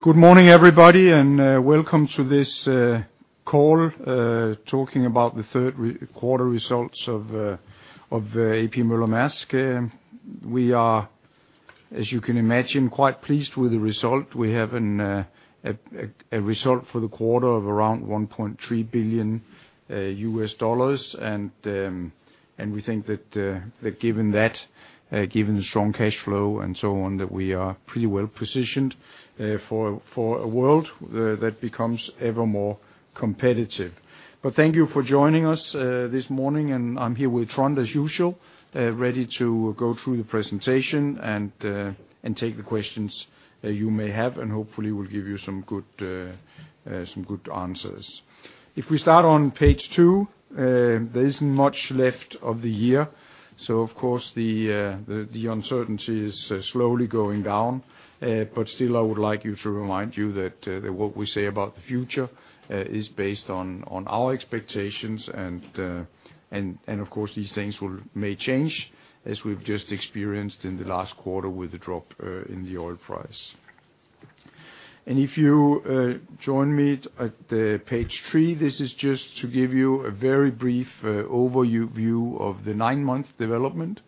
Good morning, everybody, and welcome to this call talking about the third quarter results of A.P. Møller-Mærsk. We are, as you can imagine, quite pleased with the result. We have a result for the quarter of around $1.3 billion. We think that given the strong cash flow and so on, that we are pretty well positioned for a world that becomes ever more competitive. Thank you for joining us this morning. I'm here with Trond, as usual, ready to go through the presentation and take the questions you may have, and hopefully we'll give you some good answers. If we start on page two, there isn't much left of the year, so of course the uncertainty is slowly going down. Still, I would like to remind you that what we say about the future is based on our expectations and of course these things may change as we've just experienced in the last quarter with the drop in the oil price. If you join me at page three, this is just to give you a very brief overview of the 9-month development.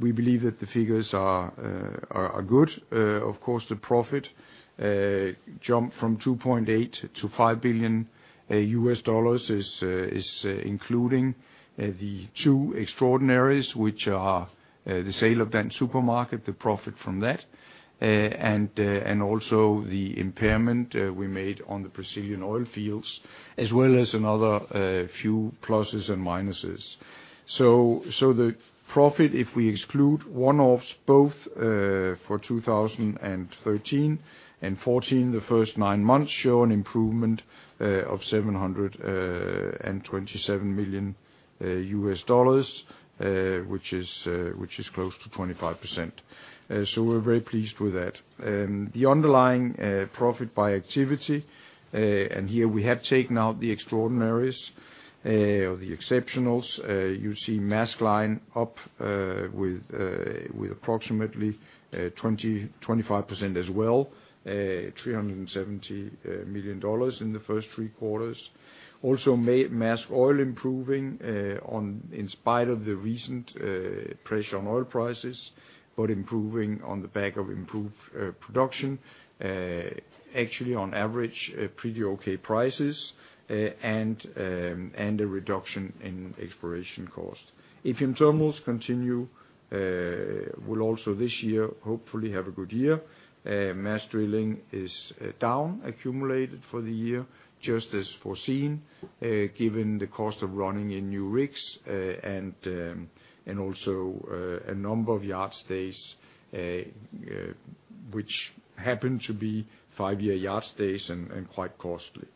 We believe that the figures are good. Of course, the profit jumped from $2.8 billion-$5 billion. Dollars is including the two extraordinaries, which are the sale of Dansk Supermarked, the profit from that, and also the impairment we made on the Brazilian oil fields, as well as another few pluses and minuses. The profit, if we exclude one-offs both for 2013 and 2014, the first nine months show an improvement of $727 million, which is close to 25%. We're very pleased with that. The underlying profit by activity, and here we have taken out the extraordinaries or the exceptionals. You see Maersk Line up with approximately 25% as well, $370 million in the first three quarters. Maersk Oil improving in spite of the recent pressure on oil prices, but improving on the back of improved production. Actually on average pretty okay prices and a reduction in exploration cost. APM Terminals will also this year, hopefully, have a good year. Maersk Drilling is down accumulated for the year, just as foreseen, given the cost of running in new rigs and also a number of yard stays which happen to be five-year yard stays and quite costly.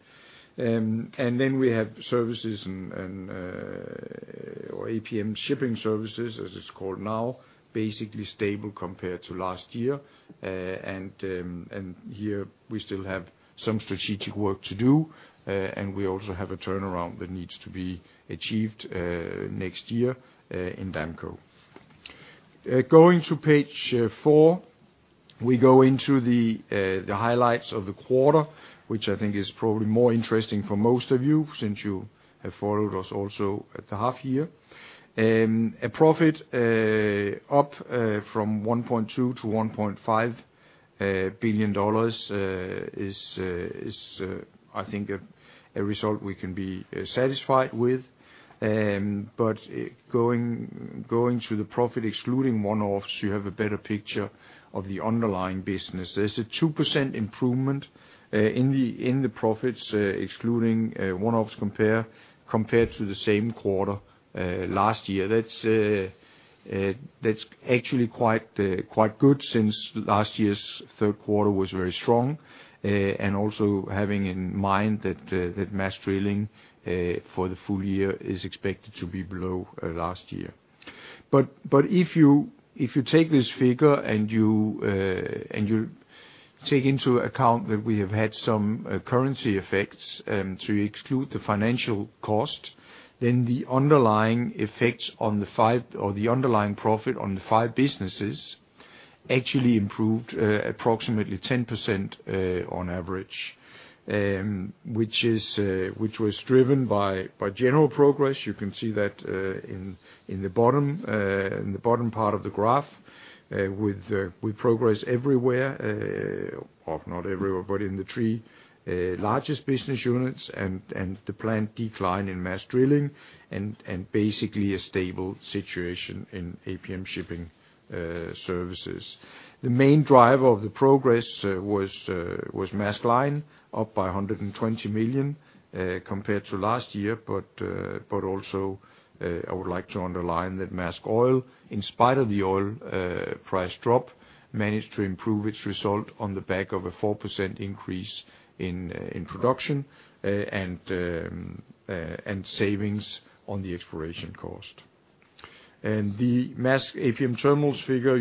Then we have services or APM Shipping Services, as it's called now, basically stable compared to last year. And here we still have some strategic work to do, and we also have a turnaround that needs to be achieved next year in Damco. Going to page four, we go into the highlights of the quarter, which I think is probably more interesting for most of you since you have followed us also at the half year. A profit up from $1.2 billion-$1.5 billion is, I think, a result we can be satisfied with. But, going through the profit, excluding one-offs, you have a better picture of the underlying business. There's a 2% improvement in the profits excluding one-offs compared to the same quarter last year. That's actually quite good since last year's third quarter was very strong. And also having in mind that Maersk Drilling for the full year is expected to be below last year. If you take this figure and you take into account that we have had some currency effects to exclude the financial cost, then the underlying profit on the five businesses actually improved approximately 10% on average. Which was driven by general progress. You can see that, in the bottom part of the graph, with progress everywhere, or not everywhere, but in the three largest business units and the planned decline in Maersk Drilling and basically a stable situation in APM Shipping Services. The main driver of the progress was Maersk Line, up by $120 million compared to last year. Also, I would like to underline that Maersk Oil, in spite of the oil price drop, managed to improve its result on the back of a 4% increase in production and savings on the exploration cost. The Maersk APM Terminals figure,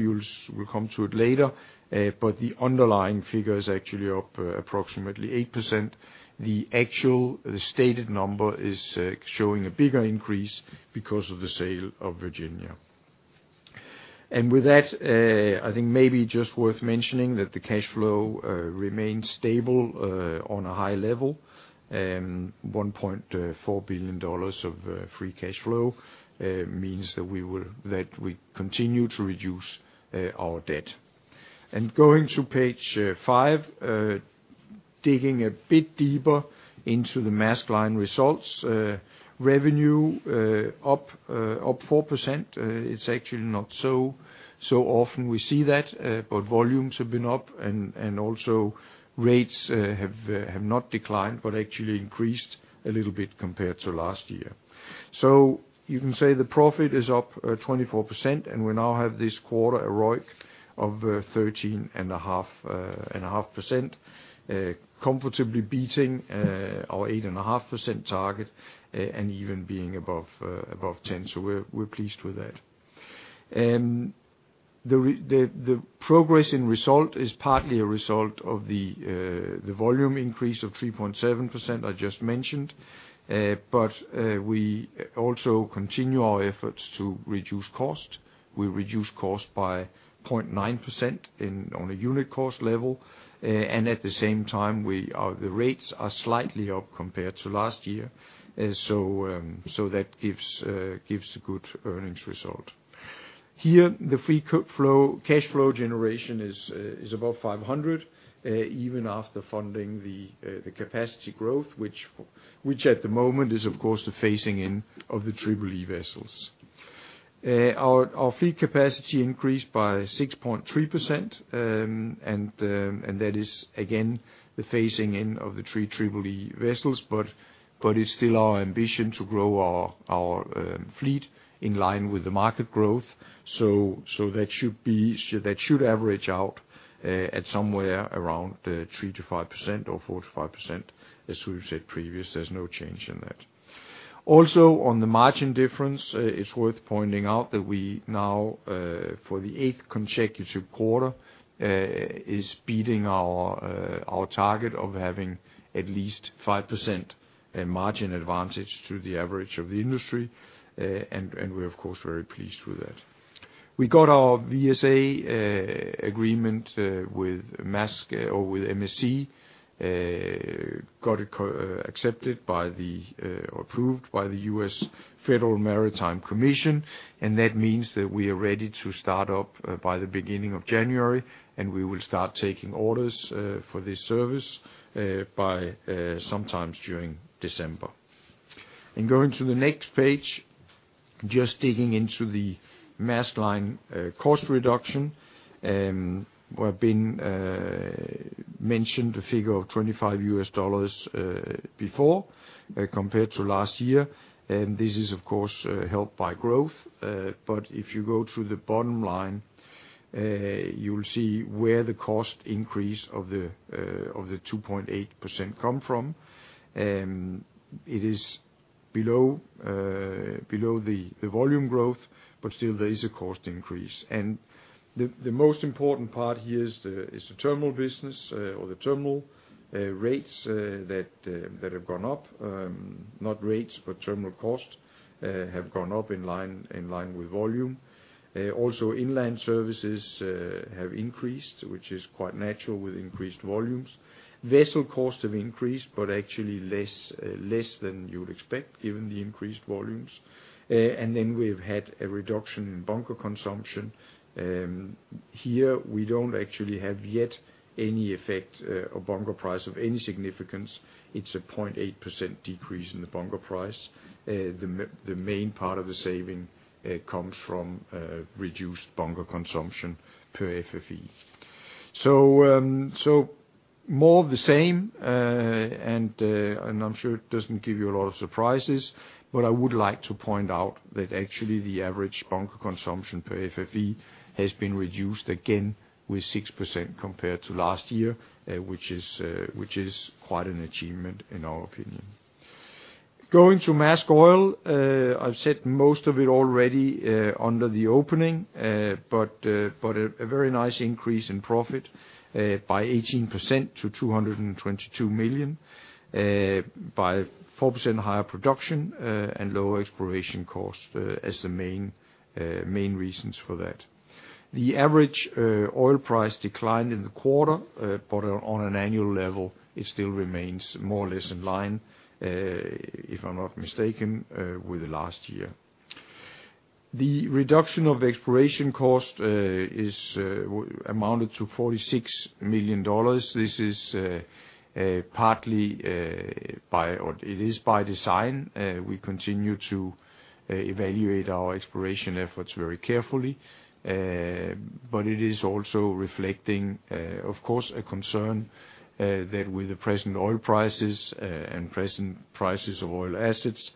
we'll come to it later, but the underlying figure is actually up approximately 8%. The actual, the stated number is showing a bigger increase because of the sale of Virginia. And with that, I think maybe just worth mentioning that the cash flow remains stable on a high level, $1.4 billion of free cash flow means that we continue to reduce our debt. And going to page five, digging a bit deeper into the Maersk Line results. Revenue up 4%, it's actually not so often we see that, but volumes have been up and also rates have not declined, but actually increased a little bit compared to last year. You can say the profit is up 24%, and we now have this quarter a ROIC of 13.5%, comfortably beating our 8.5% target and even being above 10%, so we're pleased with that. And the progress and result is partly a result of the volume increase of 3.7% I just mentioned, but we also continue our efforts to reduce cost. We reduce cost by 0.9% on a unit cost level, and at the same time, the rates are slightly up compared to last year, so that gives a good earnings result. Here, the free cash flow generation is above $500, even after funding the capacity growth, which at the moment is, of course, the phasing in of the Triple-E vessels. Our fleet capacity increased by 6.3%, and that is again the phasing in of the 3 Triple-E vessels, but it's still our ambition to grow our fleet in line with the market growth. So that should average out at somewhere around 3%-5% or 4%-5%, as we've said previously, there's no change in that. Also, on the margin difference, it's worth pointing out that we now, for the eighth consecutive quarter, is beating our target of having at least 5% margin advantage to the average of the industry. We're of course very pleased with that. We got our VSA agreement with Maersk or with MSC, got it accepted, approved by the U.S. Federal Maritime Commission. That means that we are ready to start up by the beginning of January, and we will start taking orders for this service by sometime during December. And going to the next page, just digging into the Maersk Line cost reduction, we have mentioned a figure of $25 before, compared to last year. And this is of course helped by growth. But if you go to the bottom line, you'll see where the cost increase of the 2.8% come from. It is below the volume growth, but still there is a cost increase. The most important part here is the terminal business or the terminal rates that have gone up, not rates, but terminal costs have gone up in line with volume. Also, inland services have increased, which is quite natural with increased volumes. Vessel costs have increased, but actually less than you would expect given the increased volumes. And then we've had a reduction in bunker consumption. Here we don't actually have yet any effect of bunker price of any significance. It's a 0.8% decrease in the bunker price. The main part of the saving comes from reduced bunker consumption per FFE. So, more of the same, and I'm sure it doesn't give you a lot of surprises, but I would like to point out that actually the average bunker consumption per FFE has been reduced again with 6% compared to last year, which is quite an achievement in our opinion. Going to Maersk Oil, I've said most of it already under the opening, but a very nice increase in profit by 18% to $222 million, by 4% higher production, and lower exploration costs, as the main reasons for that. The average oil price declined in the quarter, but on an annual level, it still remains more or less in line, if I'm not mistaken, with last year. The reduction of exploration cost is amounted to $46 million. This is partly by design. We continue to evaluate our exploration efforts very carefully. But it is also reflecting, of course, a concern that with the present oil prices and present prices of oil assets,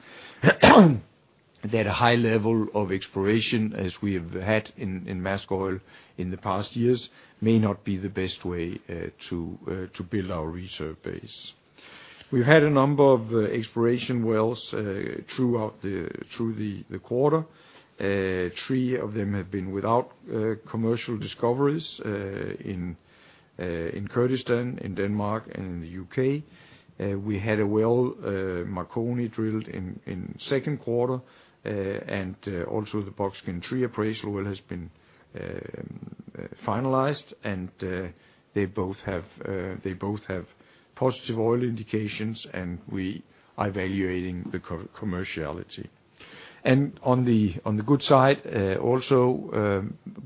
that a high level of exploration, as we have had in Maersk Oil in the past years, may not be the best way to build our reserve base. We've had a number of exploration wells throughout the quarter. Three of them have been without commercial discoveries in Kurdistan, in Denmark, and in the U.K. We had a well, Marconi, drilled in second quarter. Also, the Bøxkin-3 appraisal well has been finalized, and they both have positive oil indications, and we are evaluating the commerciality. On the good side,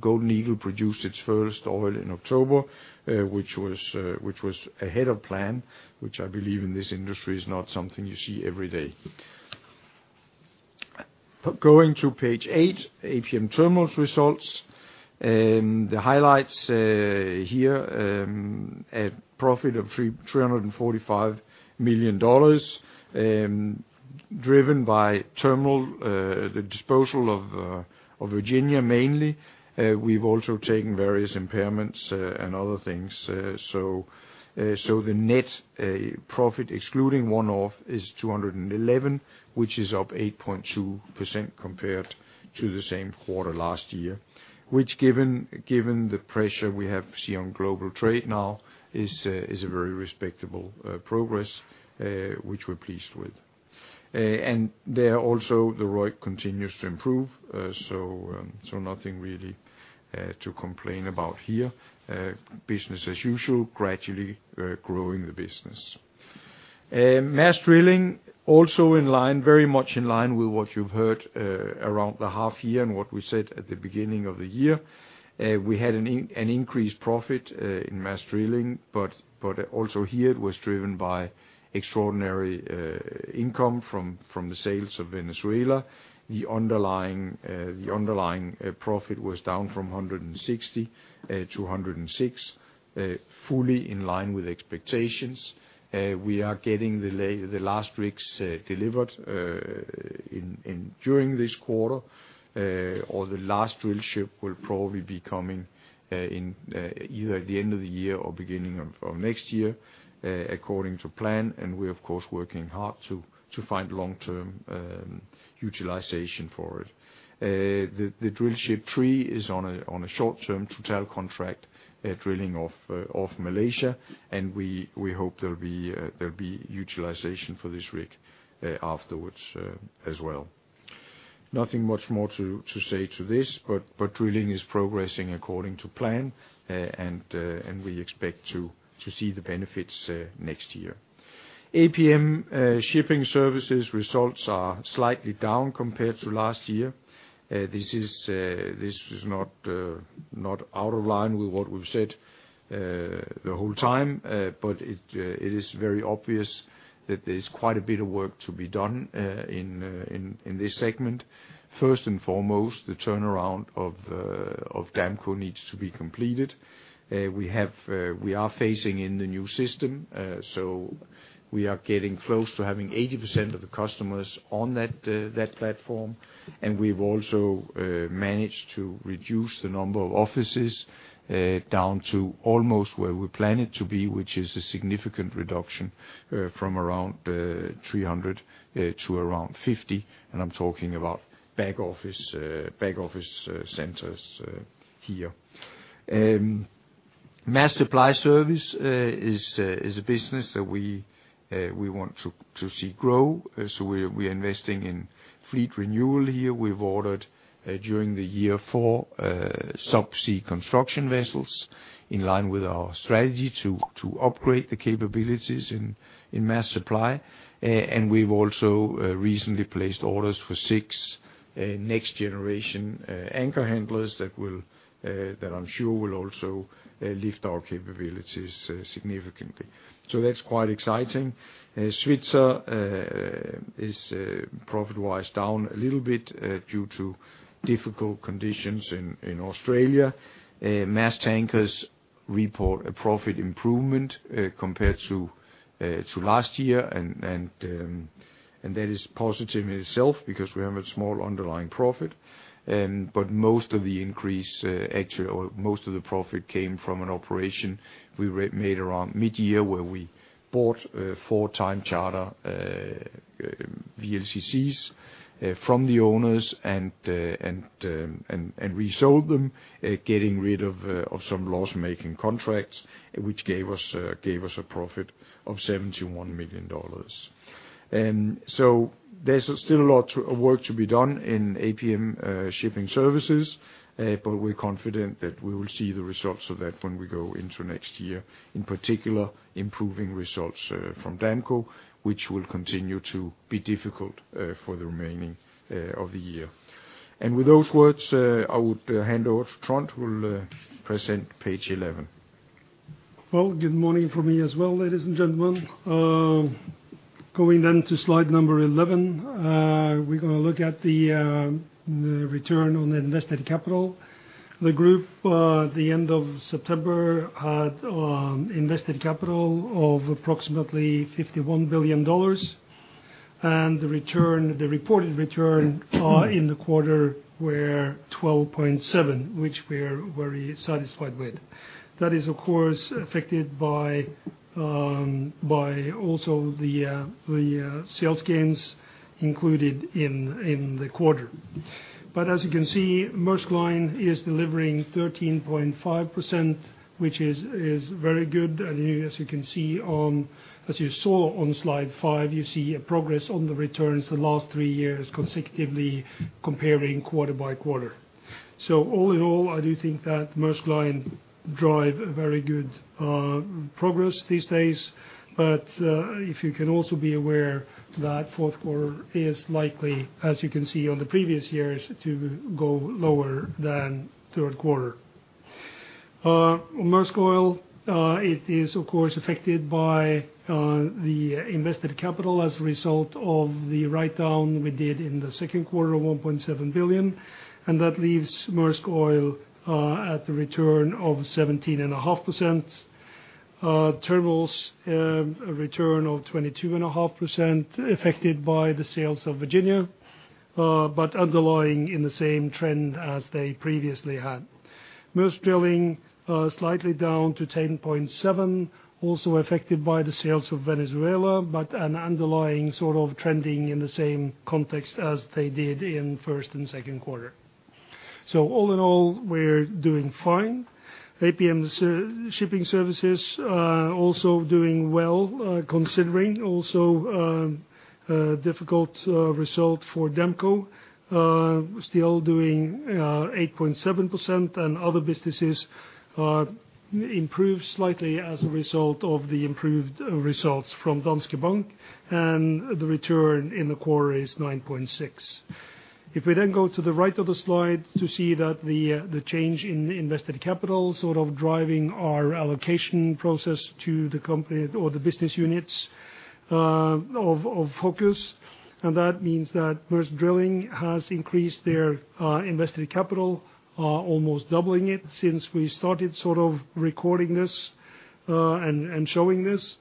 Golden Eagle produced its first oil in October, which was ahead of plan, which I believe in this industry is not something you see every day. Going to page eight, APM Terminals results. The highlights here at profit of $345 million, driven by the disposal of Virginia mainly. We've also taken various impairments and other things. The net profit excluding one-off is $211 million, which is up 8.2% compared to the same quarter last year. Which, given the pressure we have seen on global trade now, is a very respectable progress which we're pleased with. There also, the ROIC continues to improve. Nothing really to complain about here. Business as usual, gradually growing the business. Maersk Drilling also in line, very much in line with what you've heard around the half year and what we said at the beginning of the year. We had an increased profit in Maersk Drilling, but also here it was driven by extraordinary income from the sales of Venezuela. The underlying profit was down from $160 to $106, fully in line with expectations. We are getting the last rigs delivered during this quarter. The last drill ship will probably be coming in either at the end of the year or beginning of next year according to plan. We're of course working hard to find long-term utilization for it. The drill ship three is on a short-term contract, drilling off Malaysia, and we hope there'll be utilization for this rig afterwards as well. Nothing much more to say to this, but drilling is progressing according to plan. We expect to see the benefits next year. APM Shipping Services results are slightly down compared to last year. This is not out of line with what we've said the whole time. It is very obvious that there's quite a bit of work to be done in this segment. First and foremost, the turnaround of Damco needs to be completed. We are phasing in the new system, so we are getting close to having 80% of the customers on that platform. We've also managed to reduce the number of offices down to almost where we plan it to be, which is a significant reduction from around 300 to around 50, and I'm talking about back office centers here. Maersk Supply Service is a business that we want to see grow. We are investing in fleet renewal here. We've ordered during the year 4 subsea construction vessels in line with our strategy to upgrade the capabilities in Maersk Supply. We've also recently placed orders for six next generation anchor handlers that I'm sure will also lift our capabilities significantly. That's quite exciting. Svitzer is profit-wise down a little bit due to difficult conditions in Australia. Maersk Tankers report a profit improvement compared to last year. That is positive in itself because we have a small underlying profit. But most of the increase actually, or most of the profit came from an operation we made around mid-year, where we bought four time-charter VLCCs from the owners and resold them, getting rid of some loss-making contracts, which gave us a profit of $71 million. There's still a lot of work to be done in APM Shipping Services, but we're confident that we will see the results of that when we go into next year. In particular, improving results from Damco, which will continue to be difficult for the remainder of the year. With those words, I would hand over to Trond, who will present page eleven. Well, good morning from me as well, ladies and gentlemen. Going to slide number 11, we're gonna look at the return on invested capital. The group, the end of September had invested capital of approximately $51 billion. The reported return in the quarter were 12.7%, which we're very satisfied with. That is of course affected by also the sales gains included in the quarter. As you can see, Maersk Line is delivering 13.5%, which is very good. As you saw on slide 5, you see a progress on the returns the last three years consecutively comparing quarter by quarter. All in all, I do think that Maersk Line drive very good progress these days. If you can also be aware that fourth quarter is likely, as you can see on the previous years, to go lower than third quarter. Maersk Oil, it is of course affected by the invested capital as a result of the write-down we did in the second quarter of $1.7 billion. And that leaves Maersk Oil at the return of 17.5%. Terminals, a return of 22.5% affected by the sales of Virginia, but underlying in the same trend as they previously had. Maersk Drilling, slightly down to 10.7, also affected by the sales of Venezuela, but an underlying sort of trending in the same context as they did in first and second quarter. All in all, we're doing fine. APM Shipping Services also doing well, considering also a difficult result for Damco, still doing 8.7%. Other businesses improved slightly as a result of the improved results from Danske Bank. The return in the quarter is 9.6%. If we then go to the right of the slide to see that the change in invested capital sort of driving our allocation process to the company or the business units of focus. That means that Maersk Drilling has increased their invested capital, almost doubling it since we started sort of recording this and showing this.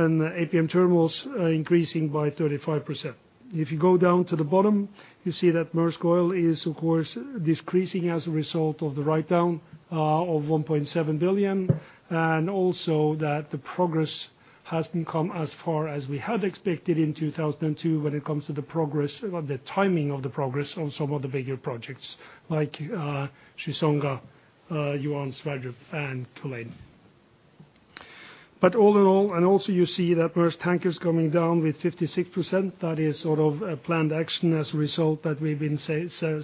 APM Terminals increasing by 35%. If you go down to the bottom, you see that Maersk Oil is of course decreasing as a result of the write-down of $1.7 billion, and also that the progress hasn't come as far as we had expected in 2002 when it comes to the progress or the timing of the progress on some of the bigger projects like Chissonga, Johan Sverdrup, and Dunga. All in all, and also you see that Maersk Tankers coming down with 56%. That is sort of a planned action as a result that we've been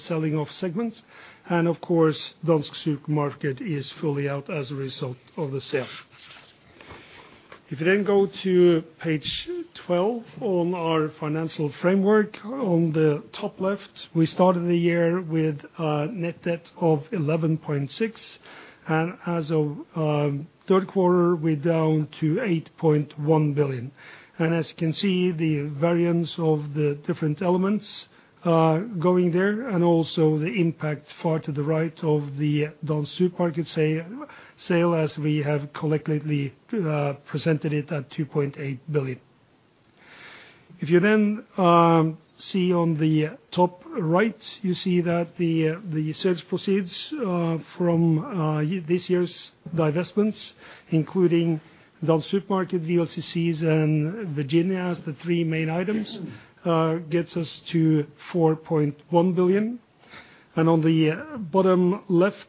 selling off segments. Of course, Dansk Supermarked is fully out as a result of the sale. If you then go to page 12 on our financial framework. On the top left, we started the year with a net debt of $11.6 billion. As of third quarter, we're down to $8.1 billion. As you can see, the variance of the different elements going there and also the impact far to the right of the Dansk Supermarked sale as we have collectively presented it at $2.8 billion. If you then see on the top right, you see that the sales proceeds from this year's divestments, including Dansk Supermarked, VLCCs, and Virginia as the three main items gets us to $4.1 billion. On the bottom left,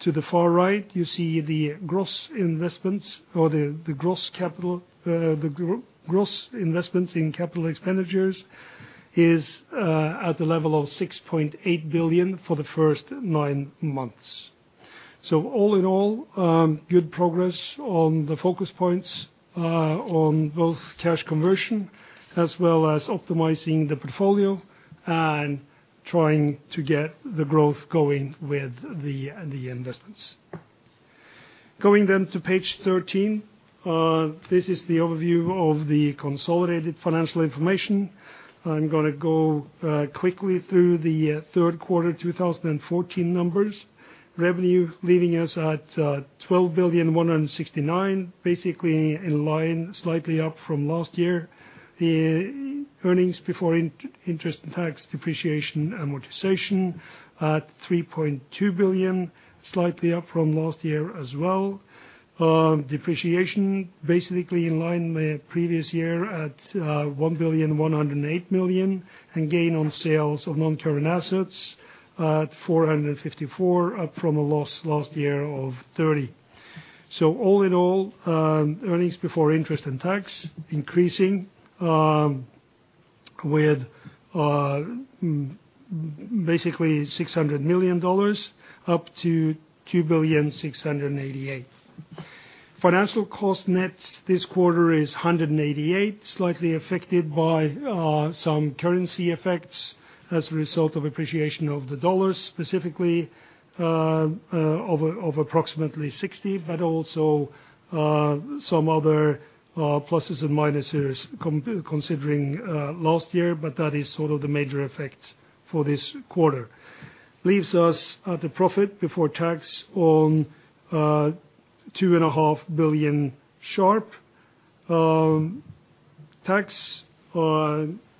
to the far right, you see the gross investments or the gross capital, the gross investments in capital expenditures is at the level of $6.8 billion for the first nine months. All in all, good progress on the focus points on both cash conversion as well as optimizing the portfolio and trying to get the growth going with the investments. Going to page 13, this is the overview of the consolidated financial information. I'm gonna go quickly through the third quarter 2014 numbers. Revenue leaving us at $12.169 billion, basically in line, slightly up from last year. The earnings before interest, tax, depreciation, and amortization at $3.2 billion, slightly up from last year as well. Depreciation, basically in line with previous year at $1.108 billion. Gain on sales of non-current assets at $454 million, up from a loss last year of $30 million. All in all, earnings before interest and tax increasing with basically $600 million, up to $2.688 billion. Financial cost net this quarter is $188 million, slightly affected by some currency effects as a result of appreciation of the US dollar, specifically of approximately $60 million. But also some other pluses and minuses considering last year, but that is sort of the major effect for this quarter. Leaves us at a profit before tax of $2.5 billion sharp. Tax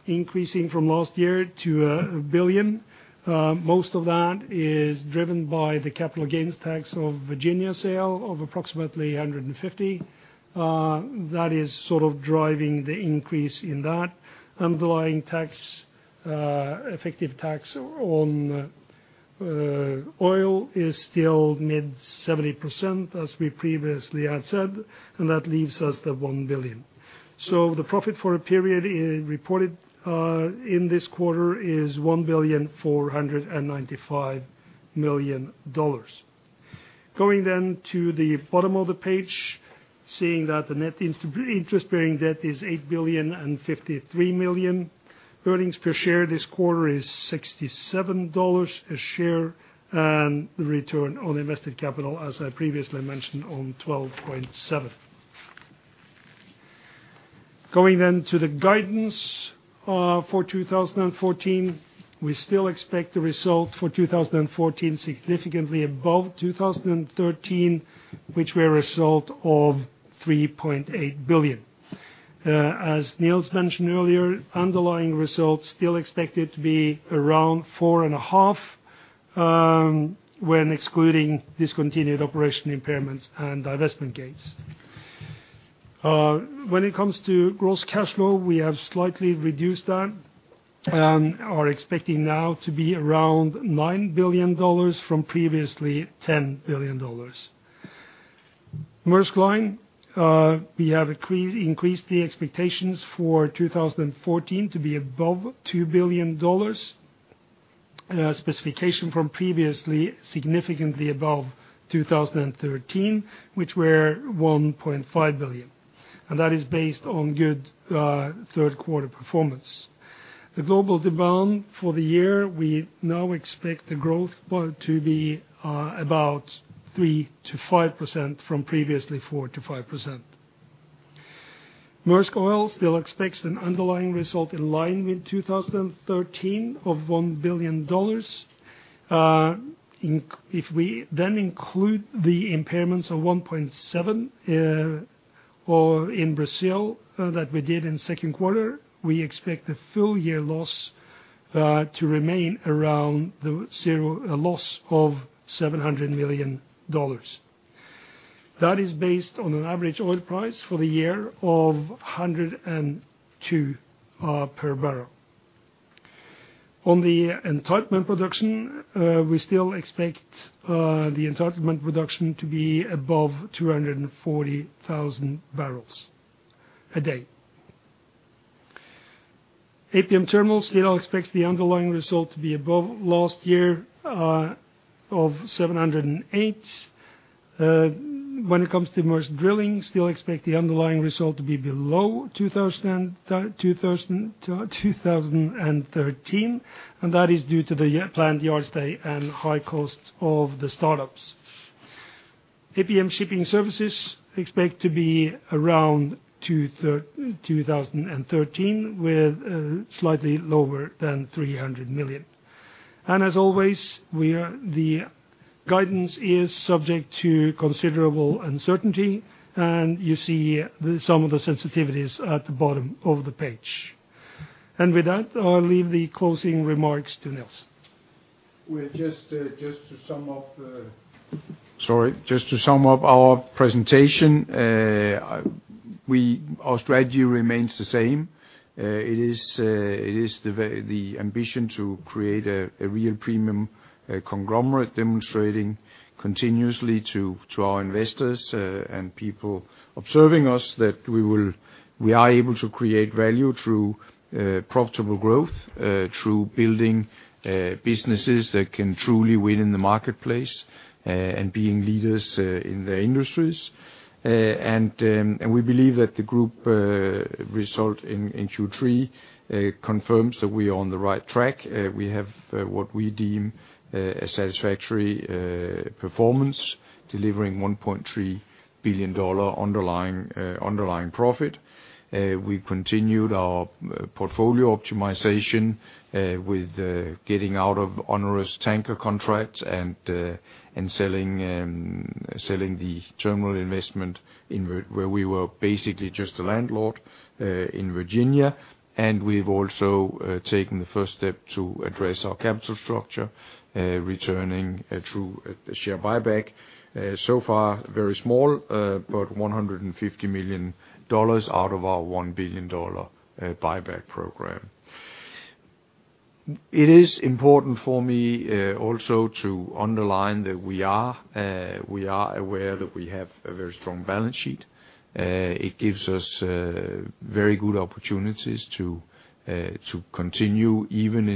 increasing from last year to $1 billion. Most of that is driven by the capital gains tax of Virginia sale of approximately $150 million. That is sort of driving the increase in that. Underlying tax effective tax on oil is still mid-70% as we previously had said, and that leaves us the $1 billion. The profit for a period is reported in this quarter is $1.495 billion. To the bottom of the page, seeing that the net interest bearing debt is $8.053 billion. Earnings per share this quarter is $67 a share, and return on invested capital, as I previously mentioned, 12.7%. To the guidance for 2014, we still expect the result for 2014 significantly above 2013, which were a result of $3.8 billion. As Nils mentioned earlier, underlying results still expected to be around $4.5 when excluding discontinued operation impairments and divestment gains. When it comes to gross cash flow, we have slightly reduced that and are expecting now to be around $9 billion from previously $10 billion. Maersk Line, we have increased the expectations for 2014 to be above $2 billion, specification from previously significantly above 2013, which were $1.5 billion. That is based on good third quarter performance. The global demand for the year, we now expect the growth rate to be about 3%-5% from previously 4%-5%. Maersk Oil still expects an underlying result in line with 2013 of $1 billion. If we include the impairments of $1.7 billion in Brazil that we did in second quarter, we expect the full year loss to remain around zero loss of $700 million. That is based on an average oil price for the year of $102 per barrel. On the entitlement production, we still expect the entitlement production to be above 240,000 barrels a day. APM Terminals still expects the underlying result to be above last year of $708 million. When it comes to Maersk Drilling, still expect the underlying result to be below 2,013, and that is due to the planned yard stay and high costs of the startups. APM Shipping Services expect to be around 2013 with slightly lower than $300 million. As always, we are, the guidance is subject to considerable uncertainty. You see some of the sensitivities at the bottom of the page. With that, I'll leave the closing remarks to Nils. Just to sum up our presentation, our strategy remains the same. It is the ambition to create a real premium conglomerate demonstrating continuously to our investors and people observing us that we are able to create value through profitable growth, through building businesses that can truly win in the marketplace, and being leaders in their industries. We believe that the group result in Q3 confirms that we are on the right track. We have what we deem a satisfactory performance, delivering $1.3 billion underlying profit. We continued our portfolio optimization with getting out of onerous tanker contracts and selling the terminal investment in Virginia where we were basically just a landlord in Virginia. We've also taken the first step to address our capital structure, returning through a share buyback. So far, very small, but $150 million out of our $1 billion buyback program. It is important for me also to underline that we are aware that we have a very strong balance sheet. It gives us very good opportunities to continue even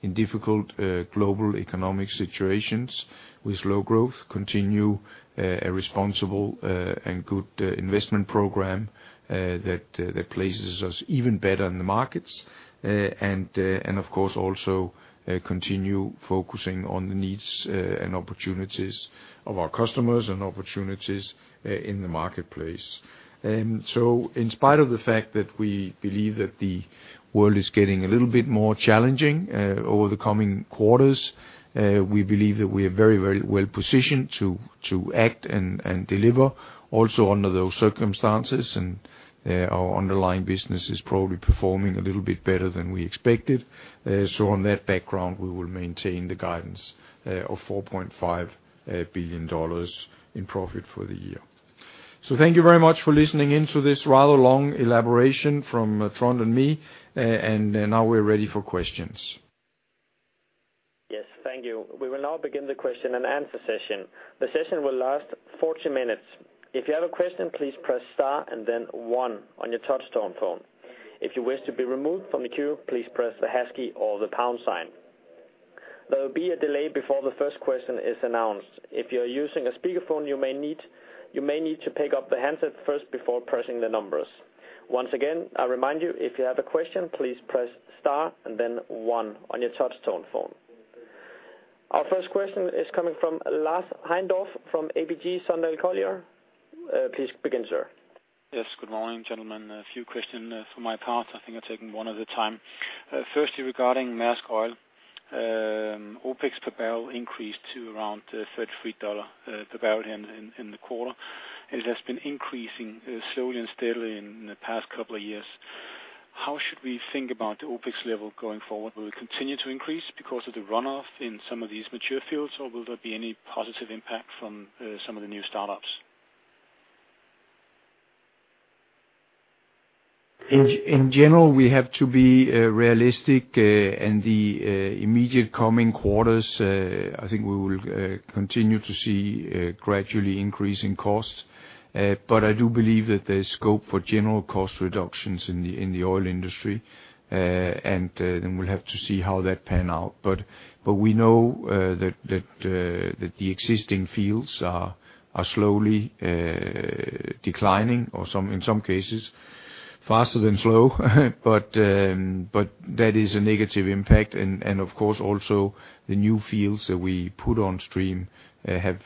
in difficult global economic situations with slow growth, continue a responsible and good investment program that places us even better in the markets. Of course, also continue focusing on the needs and opportunities of our customers in the marketplace. In spite of the fact that we believe that the world is getting a little bit more challenging over the coming quarters, we believe that we are very, very well-positioned to act and deliver also under those circumstances. Our underlying business is probably performing a little bit better than we expected. On that background, we will maintain the guidance of $4.5 billion in profit for the year. Thank you very much for listening in to this rather long elaboration from Trond and me. Now we're ready for questions. Yes. Thank you. We will now begin the question and answer session. The session will last 40 minutes. If you have a question, please press star and then one on your touchtone phone. If you wish to be removed from the queue, please press the hash key or the pound sign. There will be a delay before the first question is announced. If you're using a speakerphone, you may need to pick up the handset first before pressing the numbers. Once again, I remind you, if you have a question, please press star and then one on your touchtone phone. Our first question is coming from Lars Heindorff from ABG Sundal Collier. Please begin, sir. Yes. Good morning, gentlemen. A few question from my part. I think I'll take them one at a time. Firstly, regarding Maersk Oil. OPEX per barrel increased to around $33 per barrel in the quarter, as has been increasing slowly and steadily in the past couple of years. How should we think about the OPEX level going forward? Will it continue to increase because of the runoff in some of these mature fields, or will there be any positive impact from some of the new startups? In general, we have to be realistic. In the immediate coming quarters, I think we will continue to see gradually increasing costs. I do believe that there's scope for general cost reductions in the oil industry. Jack,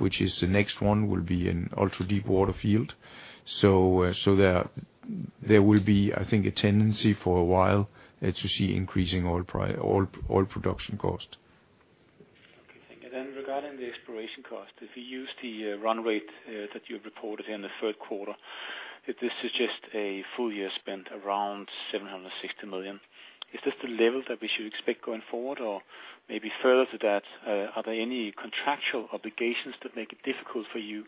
which is the next one, will be an ultra-deep water field. There will be, I think, a tendency for a while to see increasing oil production cost. Okay, thank you. Regarding the exploration cost, if you use the run rate that you've reported in the third quarter, this is just a full year spent around $760 million. Is this the level that we should expect going forward? Or maybe further to that, are there any contractual obligations that make it difficult for you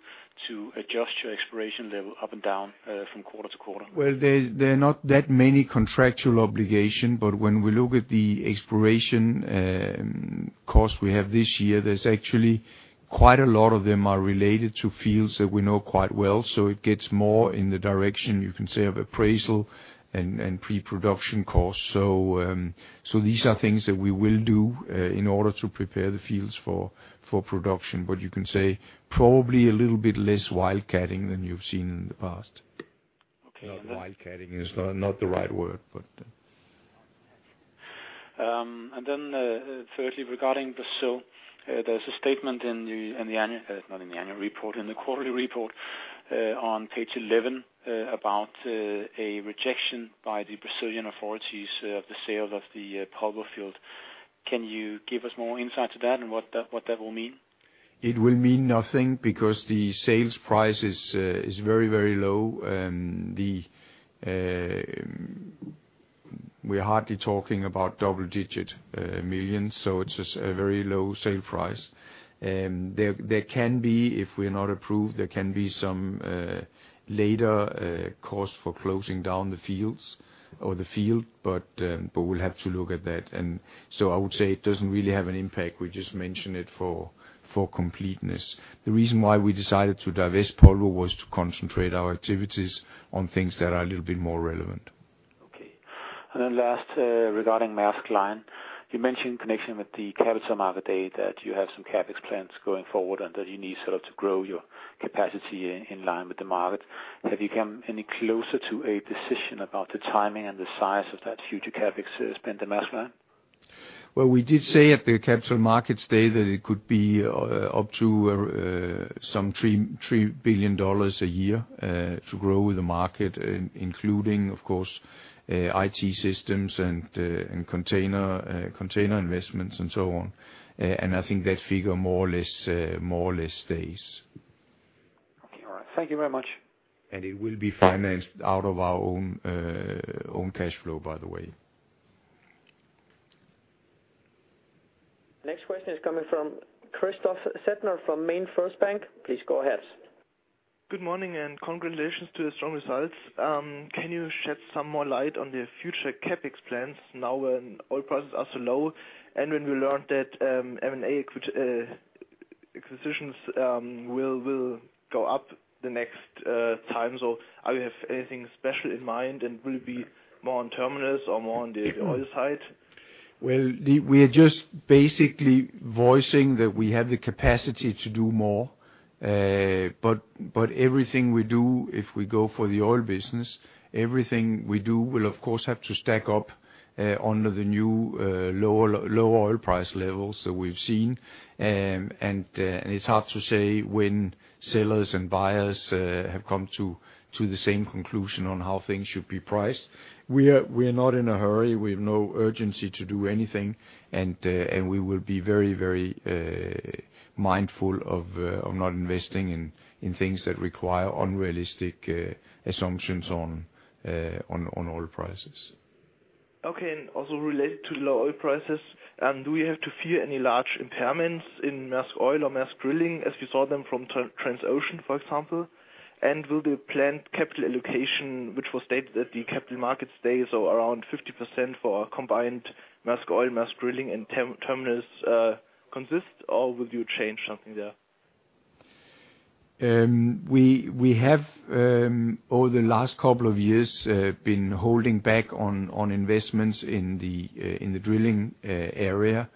to adjust your exploration level up and down from quarter to quarter? There are not that many contractual obligations, but when we look at the exploration costs we have this year, there's actually quite a lot of them are related to fields that we know quite well. It gets more in the direction, you can say, of appraisal and pre-production costs. These are things that we will do in order to prepare the fields for production. You can say probably a little bit less wildcatting than you've seen in the past. Okay. Wildcatting is not the right word, but. Thirdly regarding Brazil, there's a statement in the quarterly report on page 11 about a rejection by the Brazilian authorities of the sale of the Polvo field. Can you give us more insight to that and what that will mean? It will mean nothing because the sales price is very, very low. We're hardly talking about double-digit millions, so it's just a very low sale price. There can be, if we are not approved, there can be some later cost for closing down the fields or the field. We'll have to look at that. I would say it doesn't really have an impact. We just mention it for completeness. The reason why we decided to divest Polvo was to concentrate our activities on things that are a little bit more relevant. Okay. Last, regarding Maersk Line, you mentioned in connection with the Capital Markets Day that you have some CapEx plans going forward, and that you need sort of to grow your capacity in line with the market. Have you come any closer to a decision about the timing and the size of that future CapEx spend at Maersk Line? Well, we did say at the Capital Markets Day that it could be up to some $3 billion a year to grow the market including, of course, IT systems and container investments and so on. I think that figure more or less stays. Okay. All right. Thank you very much. It will be financed out of our own cash flow, by the way. Next question is coming from Jan-Christoph Herbst from MainFirst Bank. Please go ahead. Good morning and congratulations to the strong results. Can you shed some more light on the future CapEx plans now when oil prices are so low? When we learned that M&A, which acquisitions, will go up the next time. Are you have anything special in mind, and will it be more on terminals or more on the oil side? Well, we are just basically voicing that we have the capacity to do more. Everything we do, if we go for the oil business, everything we do will of course have to stack up under the new lower low oil price levels that we've seen. It's hard to say when sellers and buyers have come to the same conclusion on how things should be priced. We are not in a hurry. We have no urgency to do anything. We will be very very mindful of not investing in things that require unrealistic assumptions on oil prices. Okay. Also related to low oil prices, and do we have to fear any large impairments in Maersk Oil or Maersk Drilling as you saw them from Transocean, for example? Will the planned capital allocation, which was stated at the capital market stage or around 50% for combined Maersk Oil, Maersk Drilling, and terminals, consist, or will you change something there? We have over the last couple of years been holding back on investments in the drilling area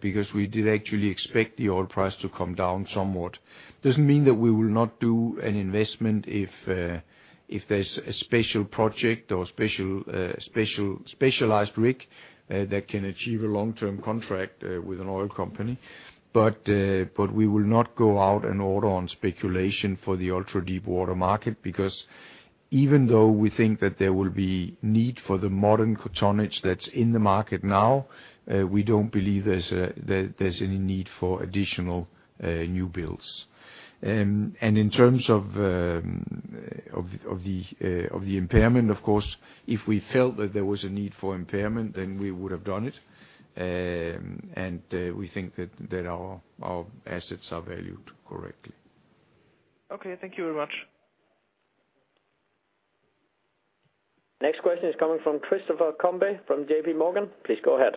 because we did actually expect the oil price to come down somewhat. Doesn't mean that we will not do an investment if there's a special project or specialized rig that can achieve a long-term contract with an oil company. We will not go out and order on speculation for the ultra-deepwater market, because even though we think that there will be need for the modern tonnage that's in the market now, we don't believe there's any need for additional new builds. In terms of the impairment, of course, if we felt that there was a need for impairment, we would have done it. We think that our assets are valued correctly. Okay, thank you very much. Next question is coming from Christopher Combe from JP Morgan. Please go ahead.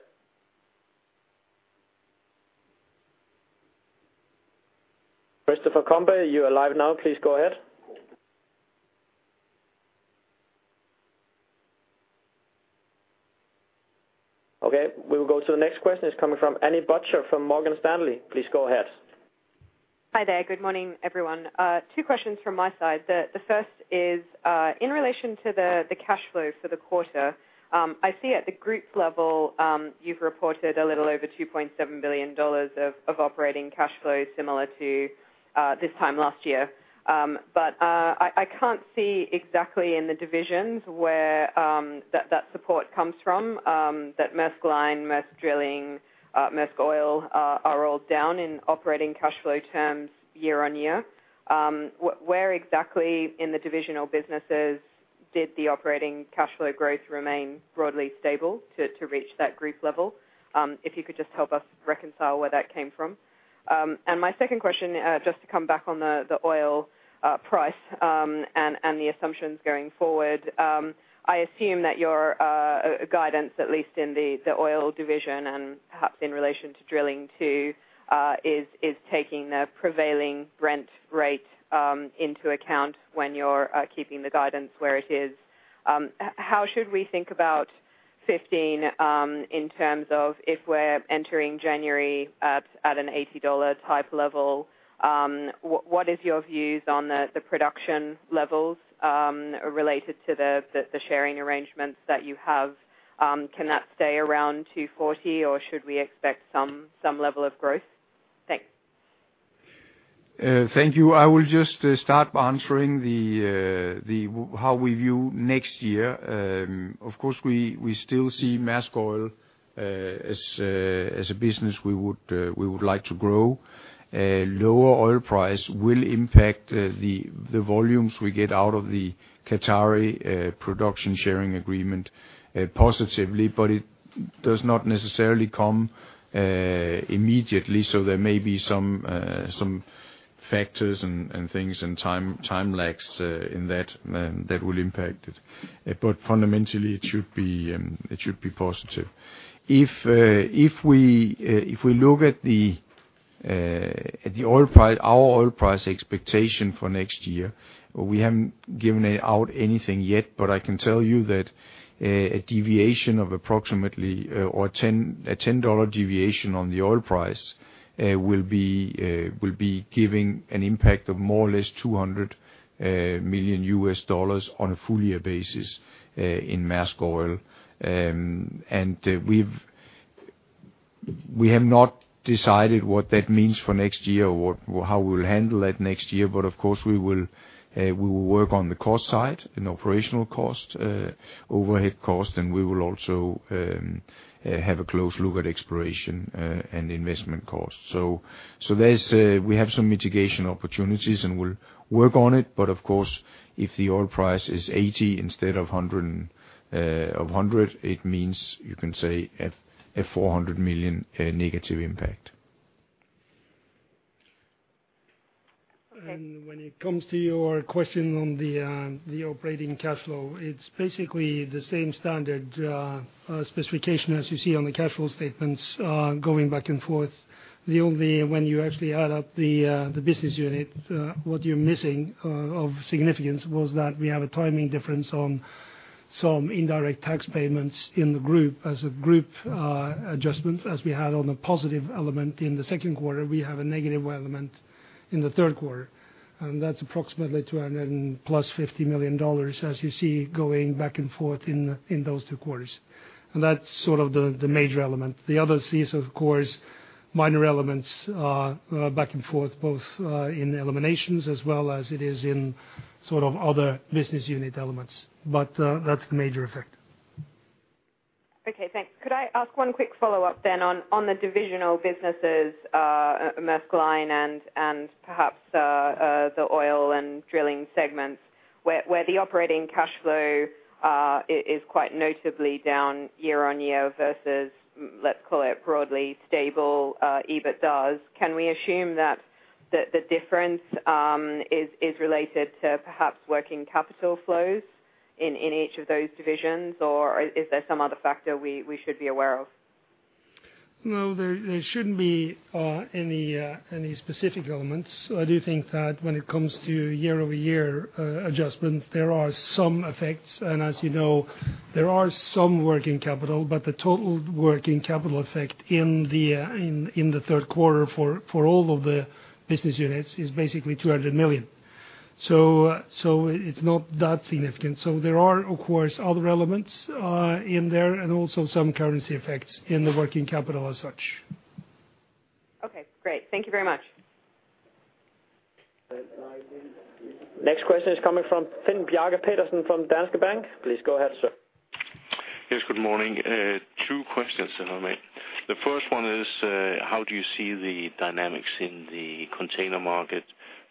Christopher Combe, you are live now. Please go ahead. Okay, we will go to the next question. It's coming from Amy Butcher from Morgan Stanley. Please go ahead. Hi there. Good morning, everyone. Two questions from my side. The first is in relation to the cash flow for the quarter. I see at the group level, you've reported a little over $2.7 billion of operating cash flow similar to this time last year. I can't see exactly in the divisions where that support comes from, that Maersk Line, Maersk Drilling, Maersk Oil are all down in operating cash flow terms year-on-year. Where exactly in the divisional businesses did the operating cash flow growth remain broadly stable to reach that group level? If you could just help us reconcile where that came from. My second question, just to come back on the oil price and the assumptions going forward. I assume that your guidance, at least in the oil division and perhaps in relation to drilling too, is taking the prevailing Brent rate into account when you're keeping the guidance where it is. How should we think about 15 in terms of if we're entering January at an $80 type level, what is your views on the production levels related to the sharing arrangements that you have? Can that stay around 240, or should we expect some level of growth? Thanks. Thank you. I will just start by answering how we view next year. Of course, we still see Maersk Oil as a business we would like to grow. Lower oil price will impact the volumes we get out of the Qatari production sharing agreement positively, but it does not necessarily come immediately, so there may be some factors and things and time lags in that will impact it. Fundamentally, it should be positive. If we look at the oil price expectation for next year, we haven't given out anything yet, but I can tell you that a deviation of approximately $10 on the oil price will be giving an impact of more or less $200 million on a full year basis in Maersk Oil. We have not decided what that means for next year or how we'll handle that next year, but of course we will work on the cost side and operational cost, overhead cost, and we will also have a close look at exploration and investment costs. We have some mitigation opportunities, and we'll work on it. Of course, if the oil price is $80 instead of $100, it means you can say a $400 million negative impact. Okay. When it comes to your question on the operating cash flow, it's basically the same standard specification as you see on the cash flow statements, going back and forth. The only, when you actually add up the business unit, what you're missing of significance was that we have a timing difference on some indirect tax payments in the group. As a group adjustment, as we had on the positive element in the second quarter, we have a negative element in the third quarter. That's approximately $250 million, as you see, going back and forth in those two quarters. That's sort of the major element. The other is, of course, minor elements, back and forth, both, in eliminations as well as it is in sort of other business unit elements. That's the major effect. Okay, thanks. Could I ask one quick follow-up then on the divisional businesses, Maersk Line and perhaps the oil and drilling segments? Where the operating cash flow is quite notably down year-over-year versus, let's call it broadly stable, EBITDAs, can we assume that the difference is related to perhaps working capital flows in each of those divisions? Or is there some other factor we should be aware of? No, there shouldn't be any specific elements. I do think that when it comes to year-over-year adjustments, there are some effects. As you know, there are some working capital, but the total working capital effect in the third quarter for all of the business units is basically $200 million. It's not that significant. There are, of course, other elements in there and also some currency effects in the working capital as such. Okay, great. Thank you very much. Next question is coming from Finn Bjarke Petersen from Danske Bank. Please go ahead, sir. Yes, good morning. Two questions to make. The first one is, how do you see the dynamics in the container market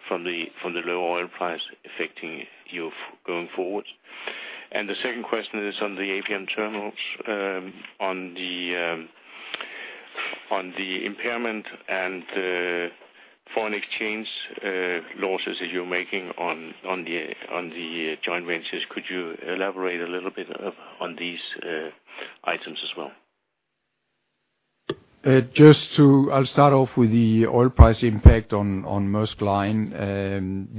from the low oil price affecting you going forward? The second question is on the APM Terminals, on the impairment and foreign exchange losses that you're making on the joint ventures. Could you elaborate a little bit on these items as well? Just to, I'll start off with the oil price impact on Maersk Line.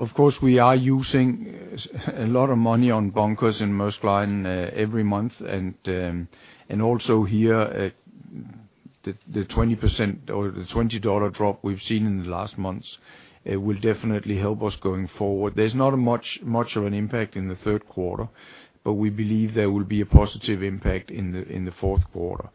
Of course, we are using a lot of money on bunkers in Maersk Line every month. Also here, the 20% or the $20 drop we've seen in the last months, it will definitely help us going forward. There's not much of an impact in the third quarter, but we believe there will be a positive impact in the fourth quarter.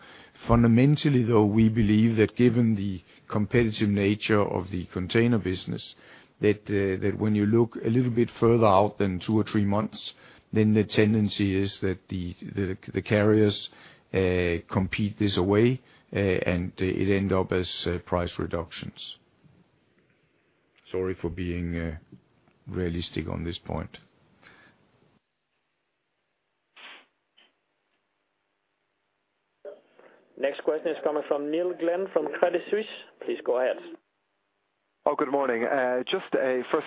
Fundamentally, though, we believe that given the competitive nature of the container business, that when you look a little bit further out than two or three months, then the tendency is that the carriers compete this away, and it end up as price reductions. Sorry for being realistic on this point. Next question is coming from Neil Glynn from Credit Suisse. Please go ahead. Oh, good morning. First,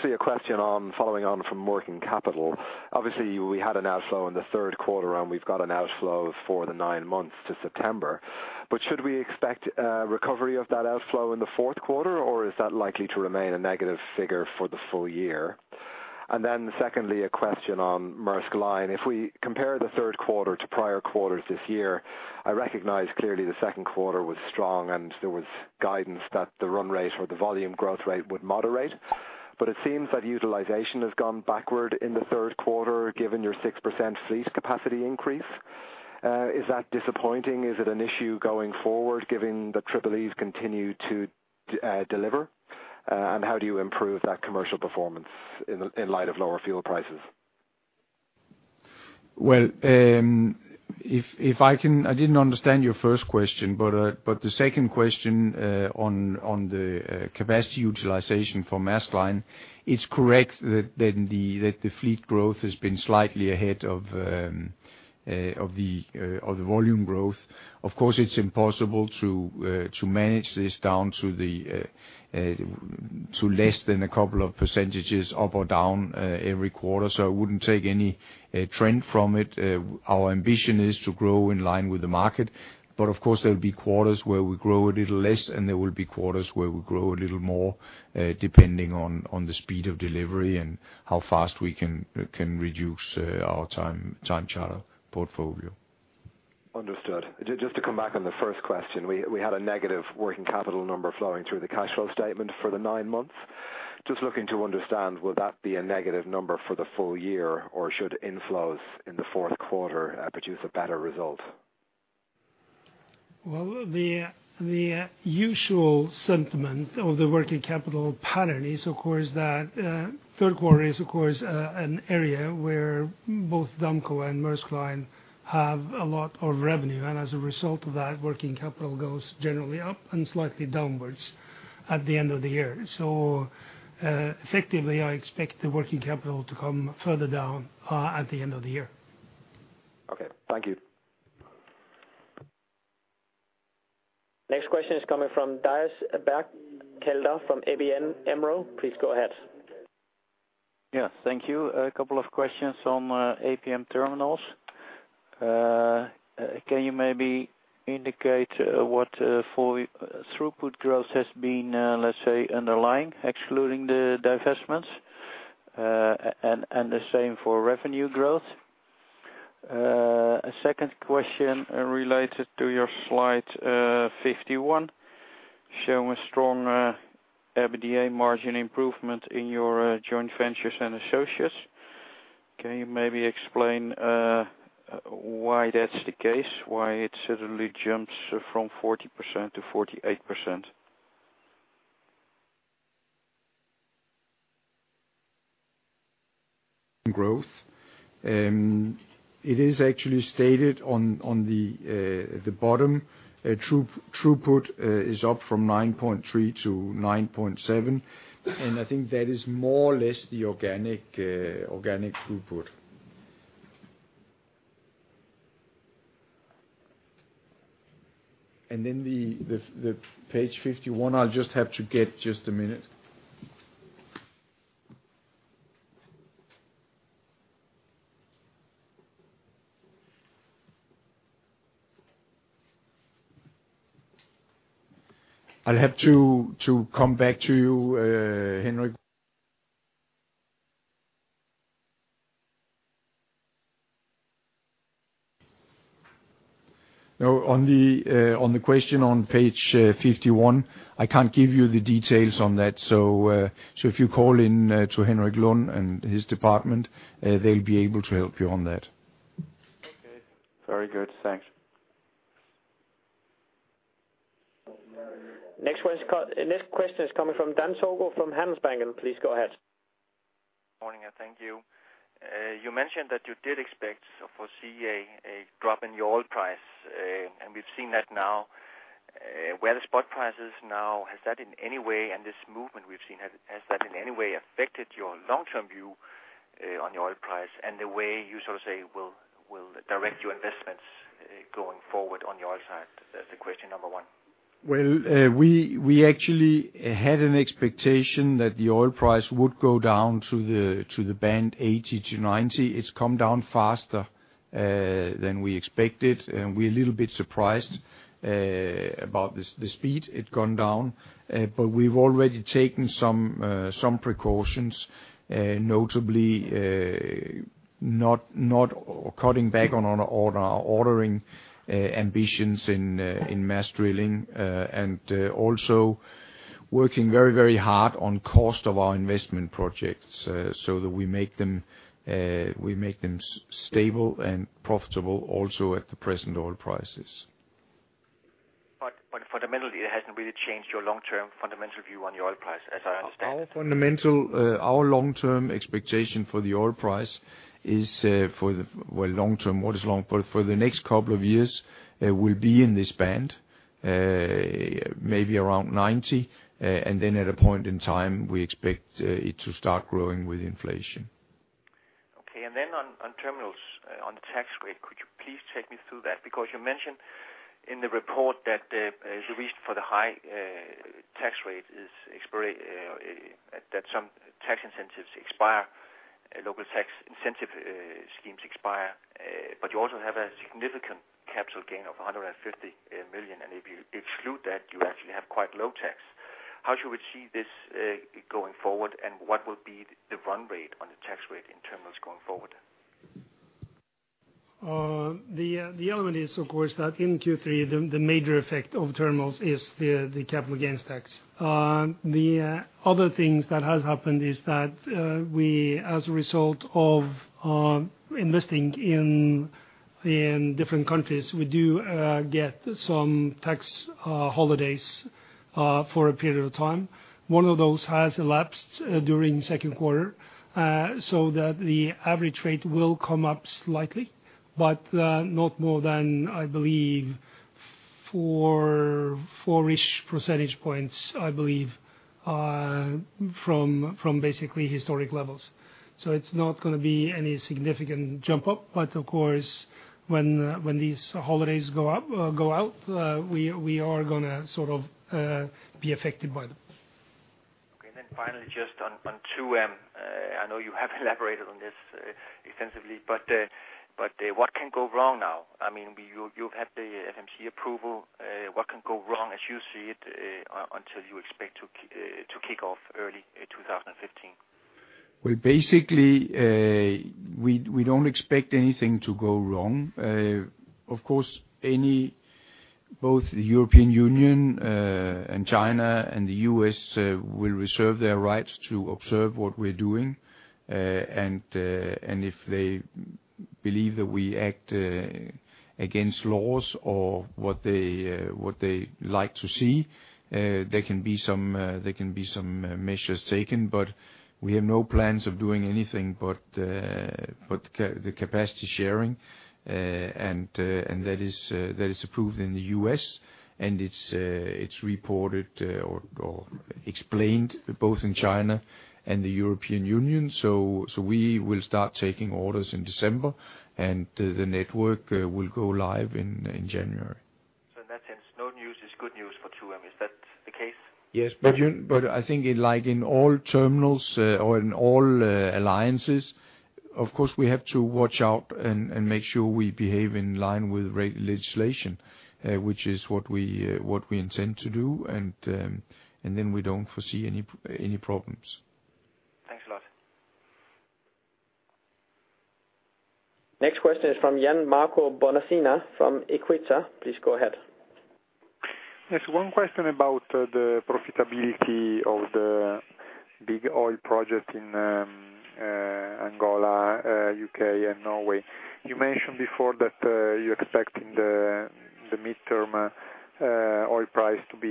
a question following on from working capital. Obviously, we had an outflow in the third quarter, and we've got an outflow for the nine months to September. Should we expect a recovery of that outflow in the fourth quarter, or is that likely to remain a negative figure for the full year? Second, a question on Maersk Line. If we compare the third quarter to prior quarters this year, I recognize clearly the second quarter was strong and there was guidance that the run rate or the volume growth rate would moderate. It seems that utilization has gone backward in the third quarter, given your 6% fleet capacity increase. Is that disappointing? Is it an issue going forward, given the Triple-Es continue to deliver? How do you improve that commercial performance in light of lower fuel prices? I didn't understand your first question, but the second question on the capacity utilization for Maersk Line, it's correct that the fleet growth has been slightly ahead of the volume growth. Of course, it's impossible to manage this down to less than a couple of percentages up or down every quarter. I wouldn't take any trend from it. Our ambition is to grow in line with the market. Of course, there will be quarters where we grow a little less, and there will be quarters where we grow a little more, depending on the speed of delivery and how fast we can reduce our time charter portfolio. Understood. Just to come back on the first question, we had a negative working capital number flowing through the cash flow statement for the nine months. Just looking to understand, will that be a negative number for the full year, or should inflows in the fourth quarter produce a better result? Well, the usual sentiment of the working capital pattern is, of course, that third quarter is of course an area where both Damco and Maersk Line have a lot of revenue. As a result of that, working capital goes generally up and slightly downwards at the end of the year. Effectively, I expect the working capital to come further down at the end of the year. Okay, thank you. Next question is coming from Diede van den Bergh from ABN AMRO. Please go ahead. Yes, thank you. A couple of questions on APM Terminals. Can you maybe indicate what the throughput growth has been, let's say, underlying, excluding the divestments, and the same for revenue growth? A second question related to your slide 51, showing strong EBITDA margin improvement in your joint ventures and associates. Can you maybe explain why that's the case, why it suddenly jumps from 40% to 48%? -growth. It is actually stated on the bottom. Throughput is up from 9.3 to 9.7, and I think that is more or less the organic throughput. Then the page 51, I'll just have to get. Just a minute. I'll have to come back to you, Henrik. No, on the question on page 51, I can't give you the details on that. If you call in to Henrik Lund and his department, they'll be able to help you on that. Okay. Very good. Thanks. The next question is coming from Dan Togo from Handelsbanken. Please go ahead. Morning, thank you. You mentioned that you did expect or foresee a drop in the oil price, and we've seen that now. Where the spot price is now, has that in any way, and this movement we've seen, has that in any way affected your long-term view on the oil price and the way you, so to say, will direct your investments going forward on the oil side? That's the question number one. We actually had an expectation that the oil price would go down to the band $80-$90. It's come down faster than we expected, and we're a little bit surprised about the speed it's gone down. We've already taken some precautions, notably not cutting back on our ordering ambitions in Maersk Drilling. Also working very hard on cost of our investment projects, so that we make them stable and profitable also at the present oil prices. fundamentally, it hasn't really changed your long-term fundamental view on the oil price, as I understand it? Our fundamental, our long-term expectation for the oil price is. Well, long term, what is long term? For the next couple of years, we'll be in this band, maybe around $90. Then at a point in time, we expect it to start growing with inflation. Okay. On terminals, on the tax rate, could you please take me through that? Because you mentioned in the report that the reason for the high tax rate is that some tax incentives expire, local tax incentive schemes expire. But you also have a significant capital gain of $150 million, and if you exclude that, you actually have quite low tax. How do you foresee this going forward, and what will be the run rate on the tax rate in terminals going forward? The element is of course that in Q3, the major effect of terminals is the capital gains tax. The other things that has happened is that, we as a result of investing in different countries, we do get some tax holidays for a period of time. One of those has elapsed during second quarter, so that the average rate will come up slightly, but not more than, I believe, four-ish percentage points, I believe, from basically historic levels. It's not gonna be any significant jump up. Of course when these holidays go out, we are gonna sort of be affected by them. Okay. Finally, just on 2M, I know you have elaborated on this extensively, but what can go wrong now? I mean, you've had the FMC approval. What can go wrong as you see it, until you expect to kick off early in 2015? Well, basically, we don't expect anything to go wrong. Of course, both the European Union and China and the U.S. will reserve their rights to observe what we're doing. If they believe that we act against laws or what they like to see, there can be some measures taken. We have no plans of doing anything but capacity sharing. That is approved in the U.S. and it's reported or explained both in China and the European Union. We will start taking orders in December, and the network will go live in January. In that sense, no news is good news for 2M. Is that the case? Yes. I think in, like, in all terminals or in all alliances, of course, we have to watch out and make sure we behave in line with regulation, which is what we intend to do. Then we don't foresee any problems. Thanks a lot. Next question is from Gianmarco Bonacina from Equita. Please go ahead. Yes, one question about the profitability of the big oil project in Angola, U.K. and Norway. You mentioned before that you're expecting the midterm. Oil price to be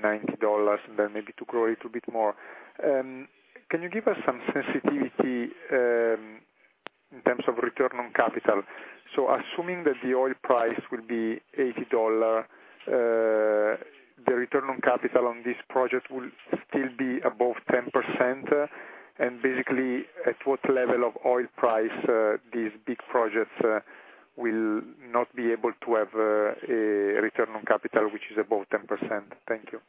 $90 and then maybe to grow it a bit more. Can you give us some sensitivity, in terms of return on capital? Assuming that the oil price will be $80, the return on capital on this project will still be above 10%. Basically, at what level of oil price, these big projects will not be able to have, a return on capital which is above 10%? Thank you.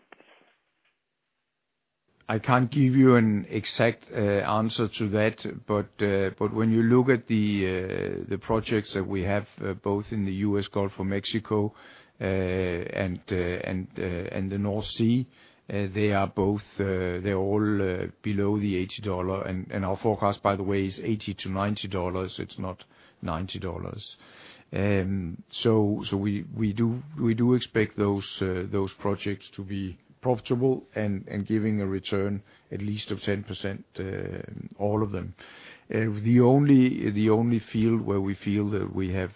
I can't give you an exact answer to that. When you look at the projects that we have both in the U.S. Gulf of Mexico and the North Sea, they're all below the $80. Our forecast, by the way, is $80-$90. It's not $90. We do expect those projects to be profitable and giving a return at least of 10%, all of them. The only field where we feel that we have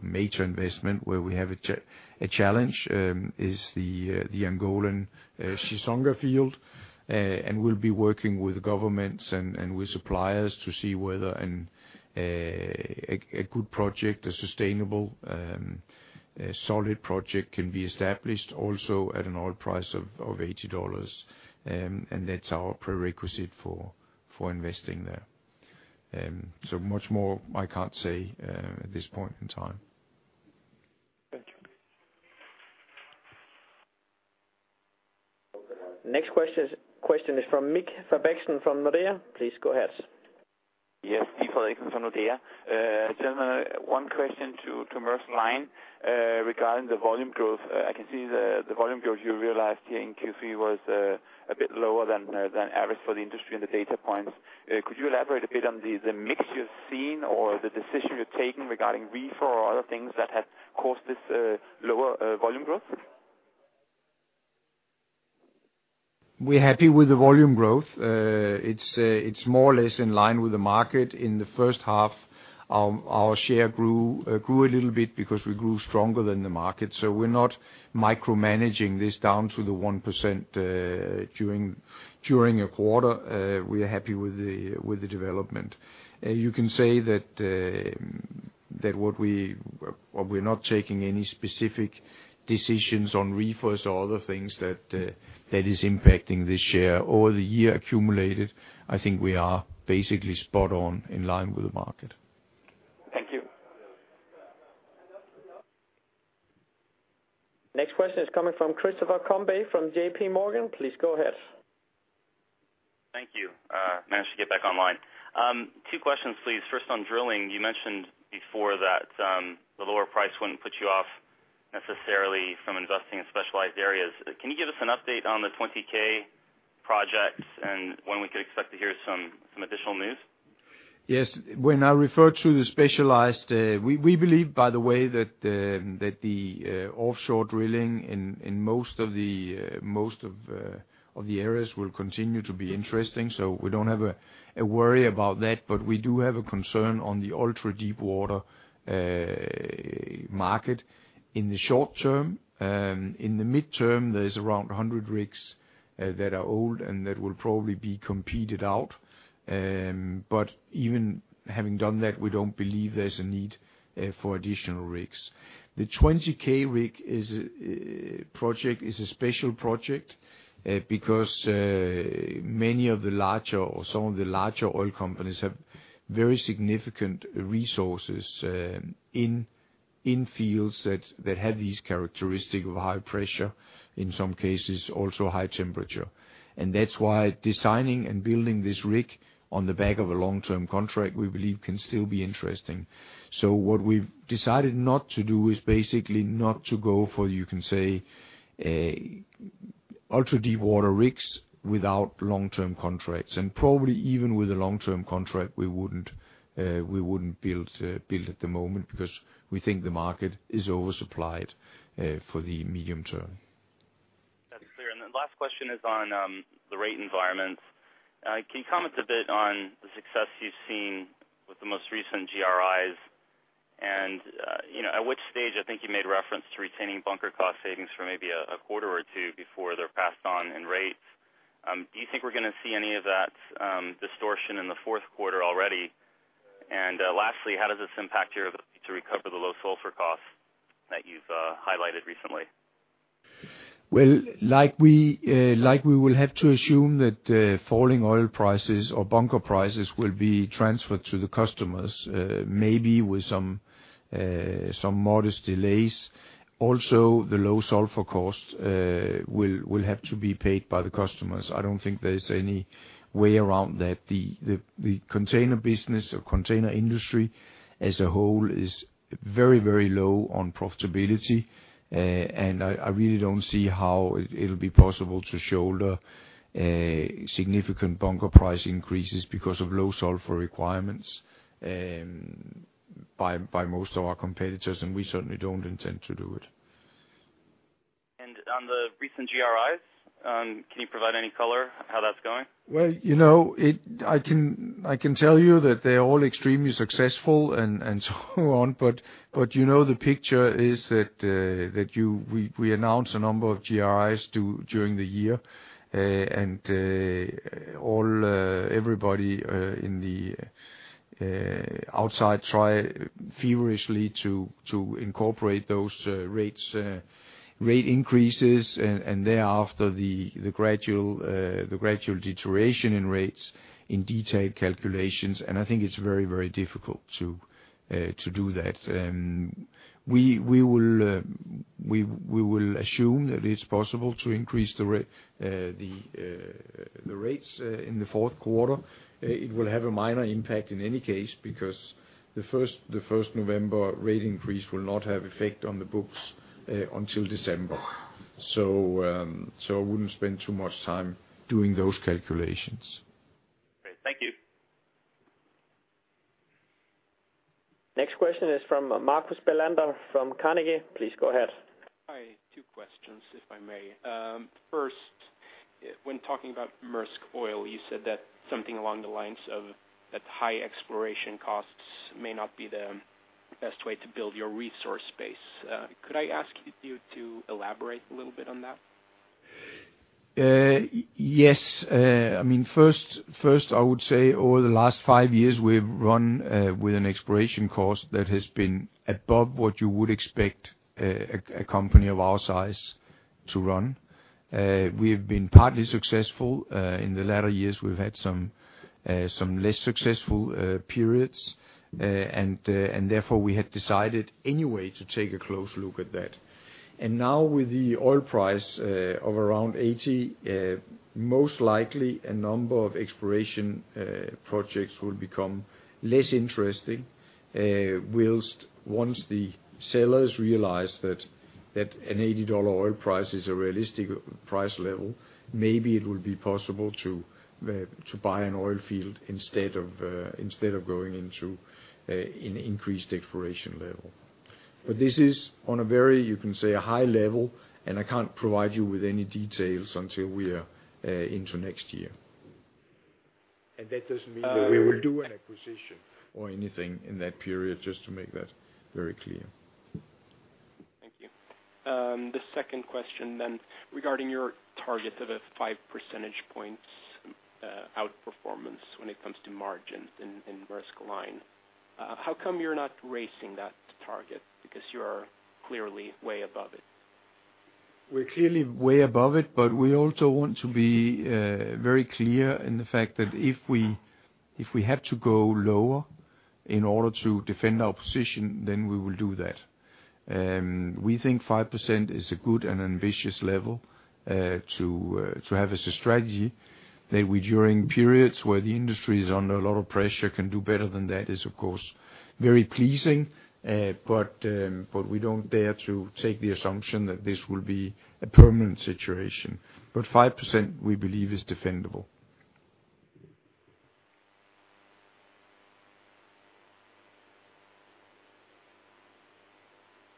major investment, where we have a challenge, is the Angolan Chissonga field. We'll be working with governments and with suppliers to see whether a good project, a sustainable, solid project can be established also at an oil price of $80. That's our prerequisite for investing there. So much more I can't say at this point in time. Thank you. Next question is from Mikkel Malberg from Nordea. Please go ahead. Yes. Mikkel Malberg from Nordea. Gentlemen, one question to Maersk Line. Regarding the volume growth, I can see the volume growth you realized here in Q3 was a bit lower than average for the industry and the data points. Could you elaborate a bit on the mix you're seeing or the decision you're taking regarding reefer or other things that have caused this lower volume growth? We're happy with the volume growth. It's more or less in line with the market. In the first half, our share grew a little bit because we grew stronger than the market. We're not micromanaging this down to the 1% during a quarter. We are happy with the development. You can say that we're not taking any specific decisions on reefers or other things that is impacting this share. Over the year accumulated, I think we are basically spot on in line with the market. Thank you. Next question is coming from Christopher Combe from JP Morgan. Please go ahead. Thank you. Managed to get back online. Two questions, please. First, on drilling, you mentioned before that the lower price wouldn't put you off necessarily from investing in specialized areas. Can you give us an update on the 20K projects and when we could expect to hear some additional news? Yes. When I refer to the specialized, we believe, by the way, that the offshore drilling in most of the areas will continue to be interesting. We don't have a worry about that. We do have a concern on the ultra-deep water market in the short term. In the midterm, there is around 100 rigs that are old, and that will probably be competed out. Even having done that, we don't believe there's a need for additional rigs. The 20K rig project is a special project because many of the larger oil companies have very significant resources in fields that have these characteristic of high pressure, in some cases also high temperature. That's why designing and building this rig on the back of a long-term contract we believe can still be interesting. What we've decided not to do is basically not to go for, you can say, ultra-deep water rigs without long-term contracts. Probably even with a long-term contract, we wouldn't build at the moment because we think the market is oversupplied for the medium term. That's clear. The last question is on the rate environments. Can you comment a bit on the success you've seen with the most recent GRIs? At which stage I think you made reference to retaining bunker cost savings for maybe a quarter or two before they're passed on in rates. Do you think we're gonna see any of that distortion in the fourth quarter already? Lastly, how does this impact your ability to recover the low sulfur costs that you've highlighted recently? Well, like we will have to assume that falling oil prices or bunker prices will be transferred to the customers, maybe with some modest delays. Also, the low sulfur costs will have to be paid by the customers. I don't think there is any way around that. The container business or container industry as a whole is very, very low on profitability. I really don't see how it'll be possible to shoulder significant bunker price increases because of low sulfur requirements by most of our competitors, and we certainly don't intend to do it. On the recent GRIs, can you provide any color how that's going? Well, you know, I can tell you that they're all extremely successful and so on. You know, the picture is that we announce a number of GRIs during the year. Everybody outside tries furiously to incorporate those rate increases. Thereafter, the gradual deterioration in rates in detailed calculations. I think it's very difficult to do that. We will assume that it's possible to increase the rates in the fourth quarter. It will have a minor impact in any case, because the first November rate increase will not have effect on the books until December. I wouldn't spend too much time doing those calculations. Great. Thank you. Next question is from Marcus Bellander from Carnegie. Please go ahead. Hi. Two questions, if I may. First, when talking about Maersk Oil, you said that something along the lines of that high exploration costs may not be the best way to build your resource base. Could I ask you to elaborate a little bit on that? Yes. I mean, first, I would say over the last five years, we've run with an exploration cost that has been above what you would expect a company of our size to run. We have been partly successful. In the latter years, we've had some less successful periods. Therefore, we had decided anyway to take a close look at that. Now with the oil price of around $80, most likely a number of exploration projects will become less interesting. While once the sellers realize that an $80 oil price is a realistic price level, maybe it will be possible to buy an oil field instead of going into an increased exploration level. This is on a very, you can say, a high level, and I can't provide you with any details until we are into next year. That doesn't mean that we will do an acquisition or anything in that period, just to make that very clear. Thank you. The second question, regarding your target of 5 percentage points outperformance when it comes to margins in Maersk Line. How come you're not raising that target? You're clearly way above it. We're clearly way above it, but we also want to be very clear in the fact that if we had to go lower in order to defend our position, then we will do that. We think 5% is a good and ambitious level to have as a strategy. That we, during periods where the industry is under a lot of pressure, can do better than that is of course very pleasing. We don't dare to take the assumption that this will be a permanent situation. Five percent, we believe is defendable.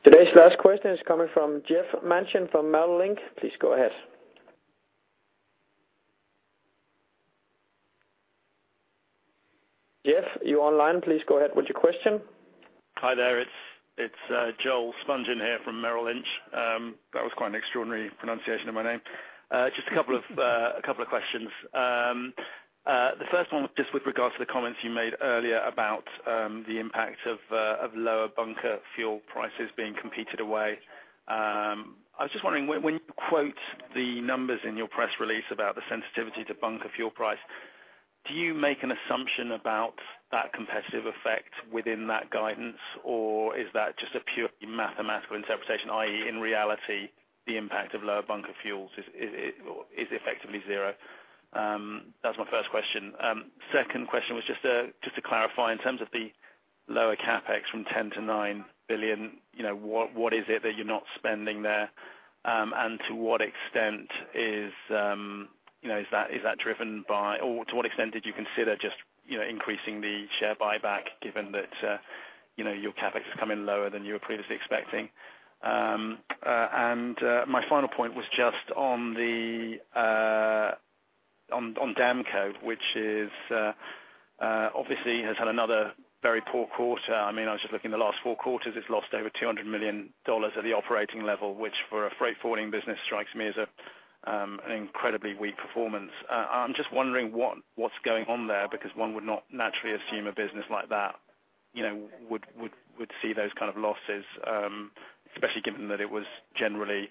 Today's last question is coming from Joel Spungin from Merrill Lynch. Please go ahead. Joel, are you online? Please go ahead with your question. Hi there. It's Joel Spungin here from Merrill Lynch. That was quite an extraordinary pronunciation of my name. Just a couple of questions. The first one, just with regards to the comments you made earlier about the impact of lower bunker fuel prices being competed away. I was just wondering when you quote the numbers in your press release about the sensitivity to bunker fuel price, do you make an assumption about that competitive effect within that guidance? Or is that just a purely mathematical interpretation, i.e., in reality, the impact of lower bunker fuels is effectively zero? That's my first question. Second question was just to clarify, in terms of the lower CapEx from $10 billion-$9 billion, you know, what is it that you're not spending there? To what extent did you consider just, you know, increasing the share buyback, given that, you know, your CapEx is coming lower than you were previously expecting? My final point was just on Damco, which obviously has had another very poor quarter. I mean, I was just looking at the last four quarters, it's lost over $200 million at the operating level, which for a freight forwarding business strikes me as an incredibly weak performance. I'm just wondering what's going on there, because one would not naturally assume a business like that, you know, would see those kind of losses, especially given that it was generally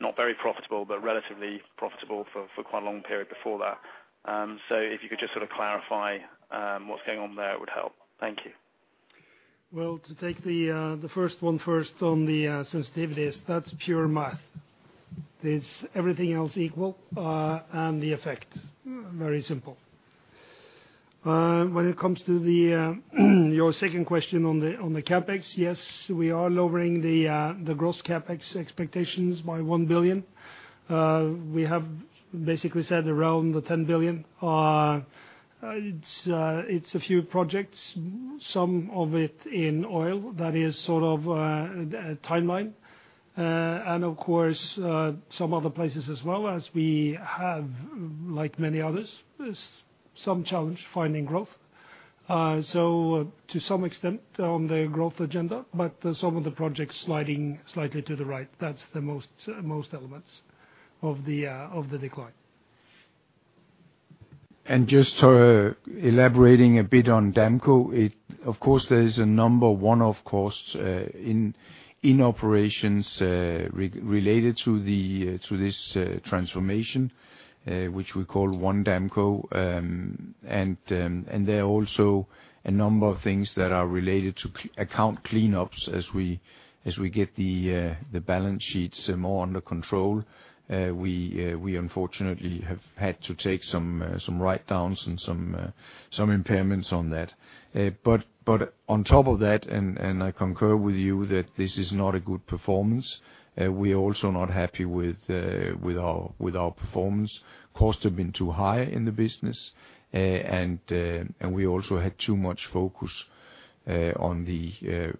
not very profitable, but relatively profitable for quite a long period before that. If you could just sort of clarify what's going on there, it would help. Thank you. Well, to take the first one first on the sensitivities, that's pure math. It's everything else equal, and the effect. Very simple. When it comes to your second question on the CapEx, yes, we are lowering the gross CapEx expectations by $1 billion. We have basically said around the $10 billion. It's a few projects, some of it in oil that is sort of a timeline. Of course, some other places as well as we have like many others, is some challenge finding growth. To some extent on the growth agenda, but some of the projects sliding slightly to the right. That's the most elements of the decline. Just sort of elaborating a bit on Damco, of course, there is a number one, of course, in operations related to this transformation, which we call One Damco. There are also a number of things that are related to account cleanups as we get the balance sheets more under control. We unfortunately have had to take some write-downs and some impairments on that. On top of that, I concur with you that this is not a good performance. We are also not happy with our performance. Costs have been too high in the business. We also had not too much focus on the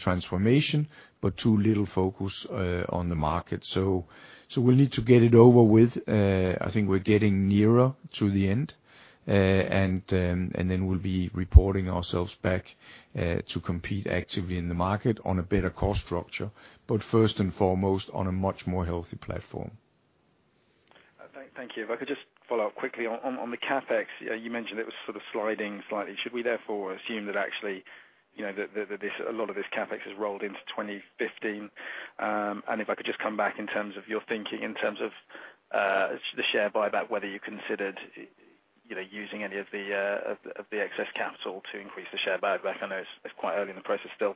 transformation, but too little focus on the market. We need to get it over with. I think we're getting nearer to the end. We'll be reporting ourselves back to compete actively in the market on a better cost structure, but first and foremost, on a much more healthy platform. Thank you. If I could just follow up quickly. On the CapEx, you mentioned it was sort of sliding slightly. Should we therefore assume that actually, you know, that this a lot of this CapEx has rolled into 2015? If I could just come back in terms of your thinking, in terms of the share buyback, whether you considered, you know, using any of the excess capital to increase the share buyback? I know it's quite early in the process still.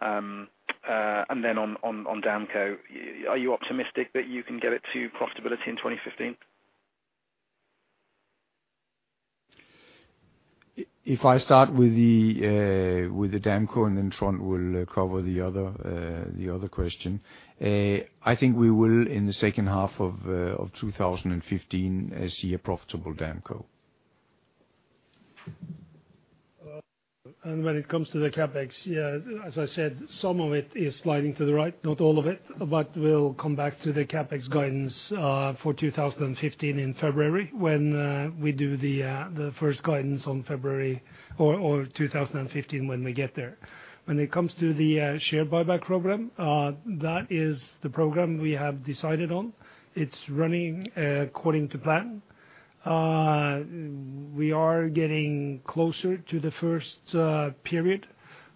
On Damco, are you optimistic that you can get it to profitability in 2015? If I start with the Damco and then Trond will cover the other question. I think we will in the second half of 2015 see a profitable Damco. When it comes to the CapEx, yeah, as I said, some of it is sliding to the right, not all of it, but we'll come back to the CapEx guidance for 2015 in February when we do the first guidance on February or 2015 when we get there. When it comes to the share buyback program, that is the program we have decided on. It's running according to plan. We are getting closer to the first period,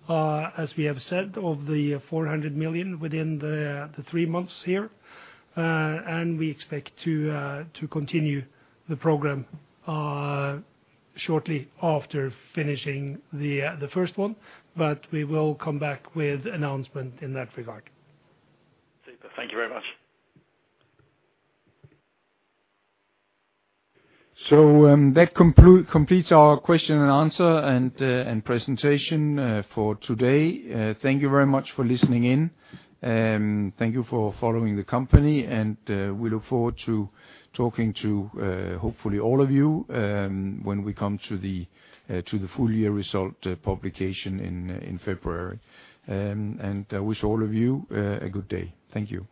as we have said, of the $400 million within the three months here. We expect to continue the program shortly after finishing the first one, but we will come back with announcement in that regard. Super. Thank you very much. That completes our question and answer and presentation for today. Thank you very much for listening in. Thank you for following the company, and we look forward to talking to hopefully all of you when we come to the full year result publication in February. I wish all of you a good day. Thank you.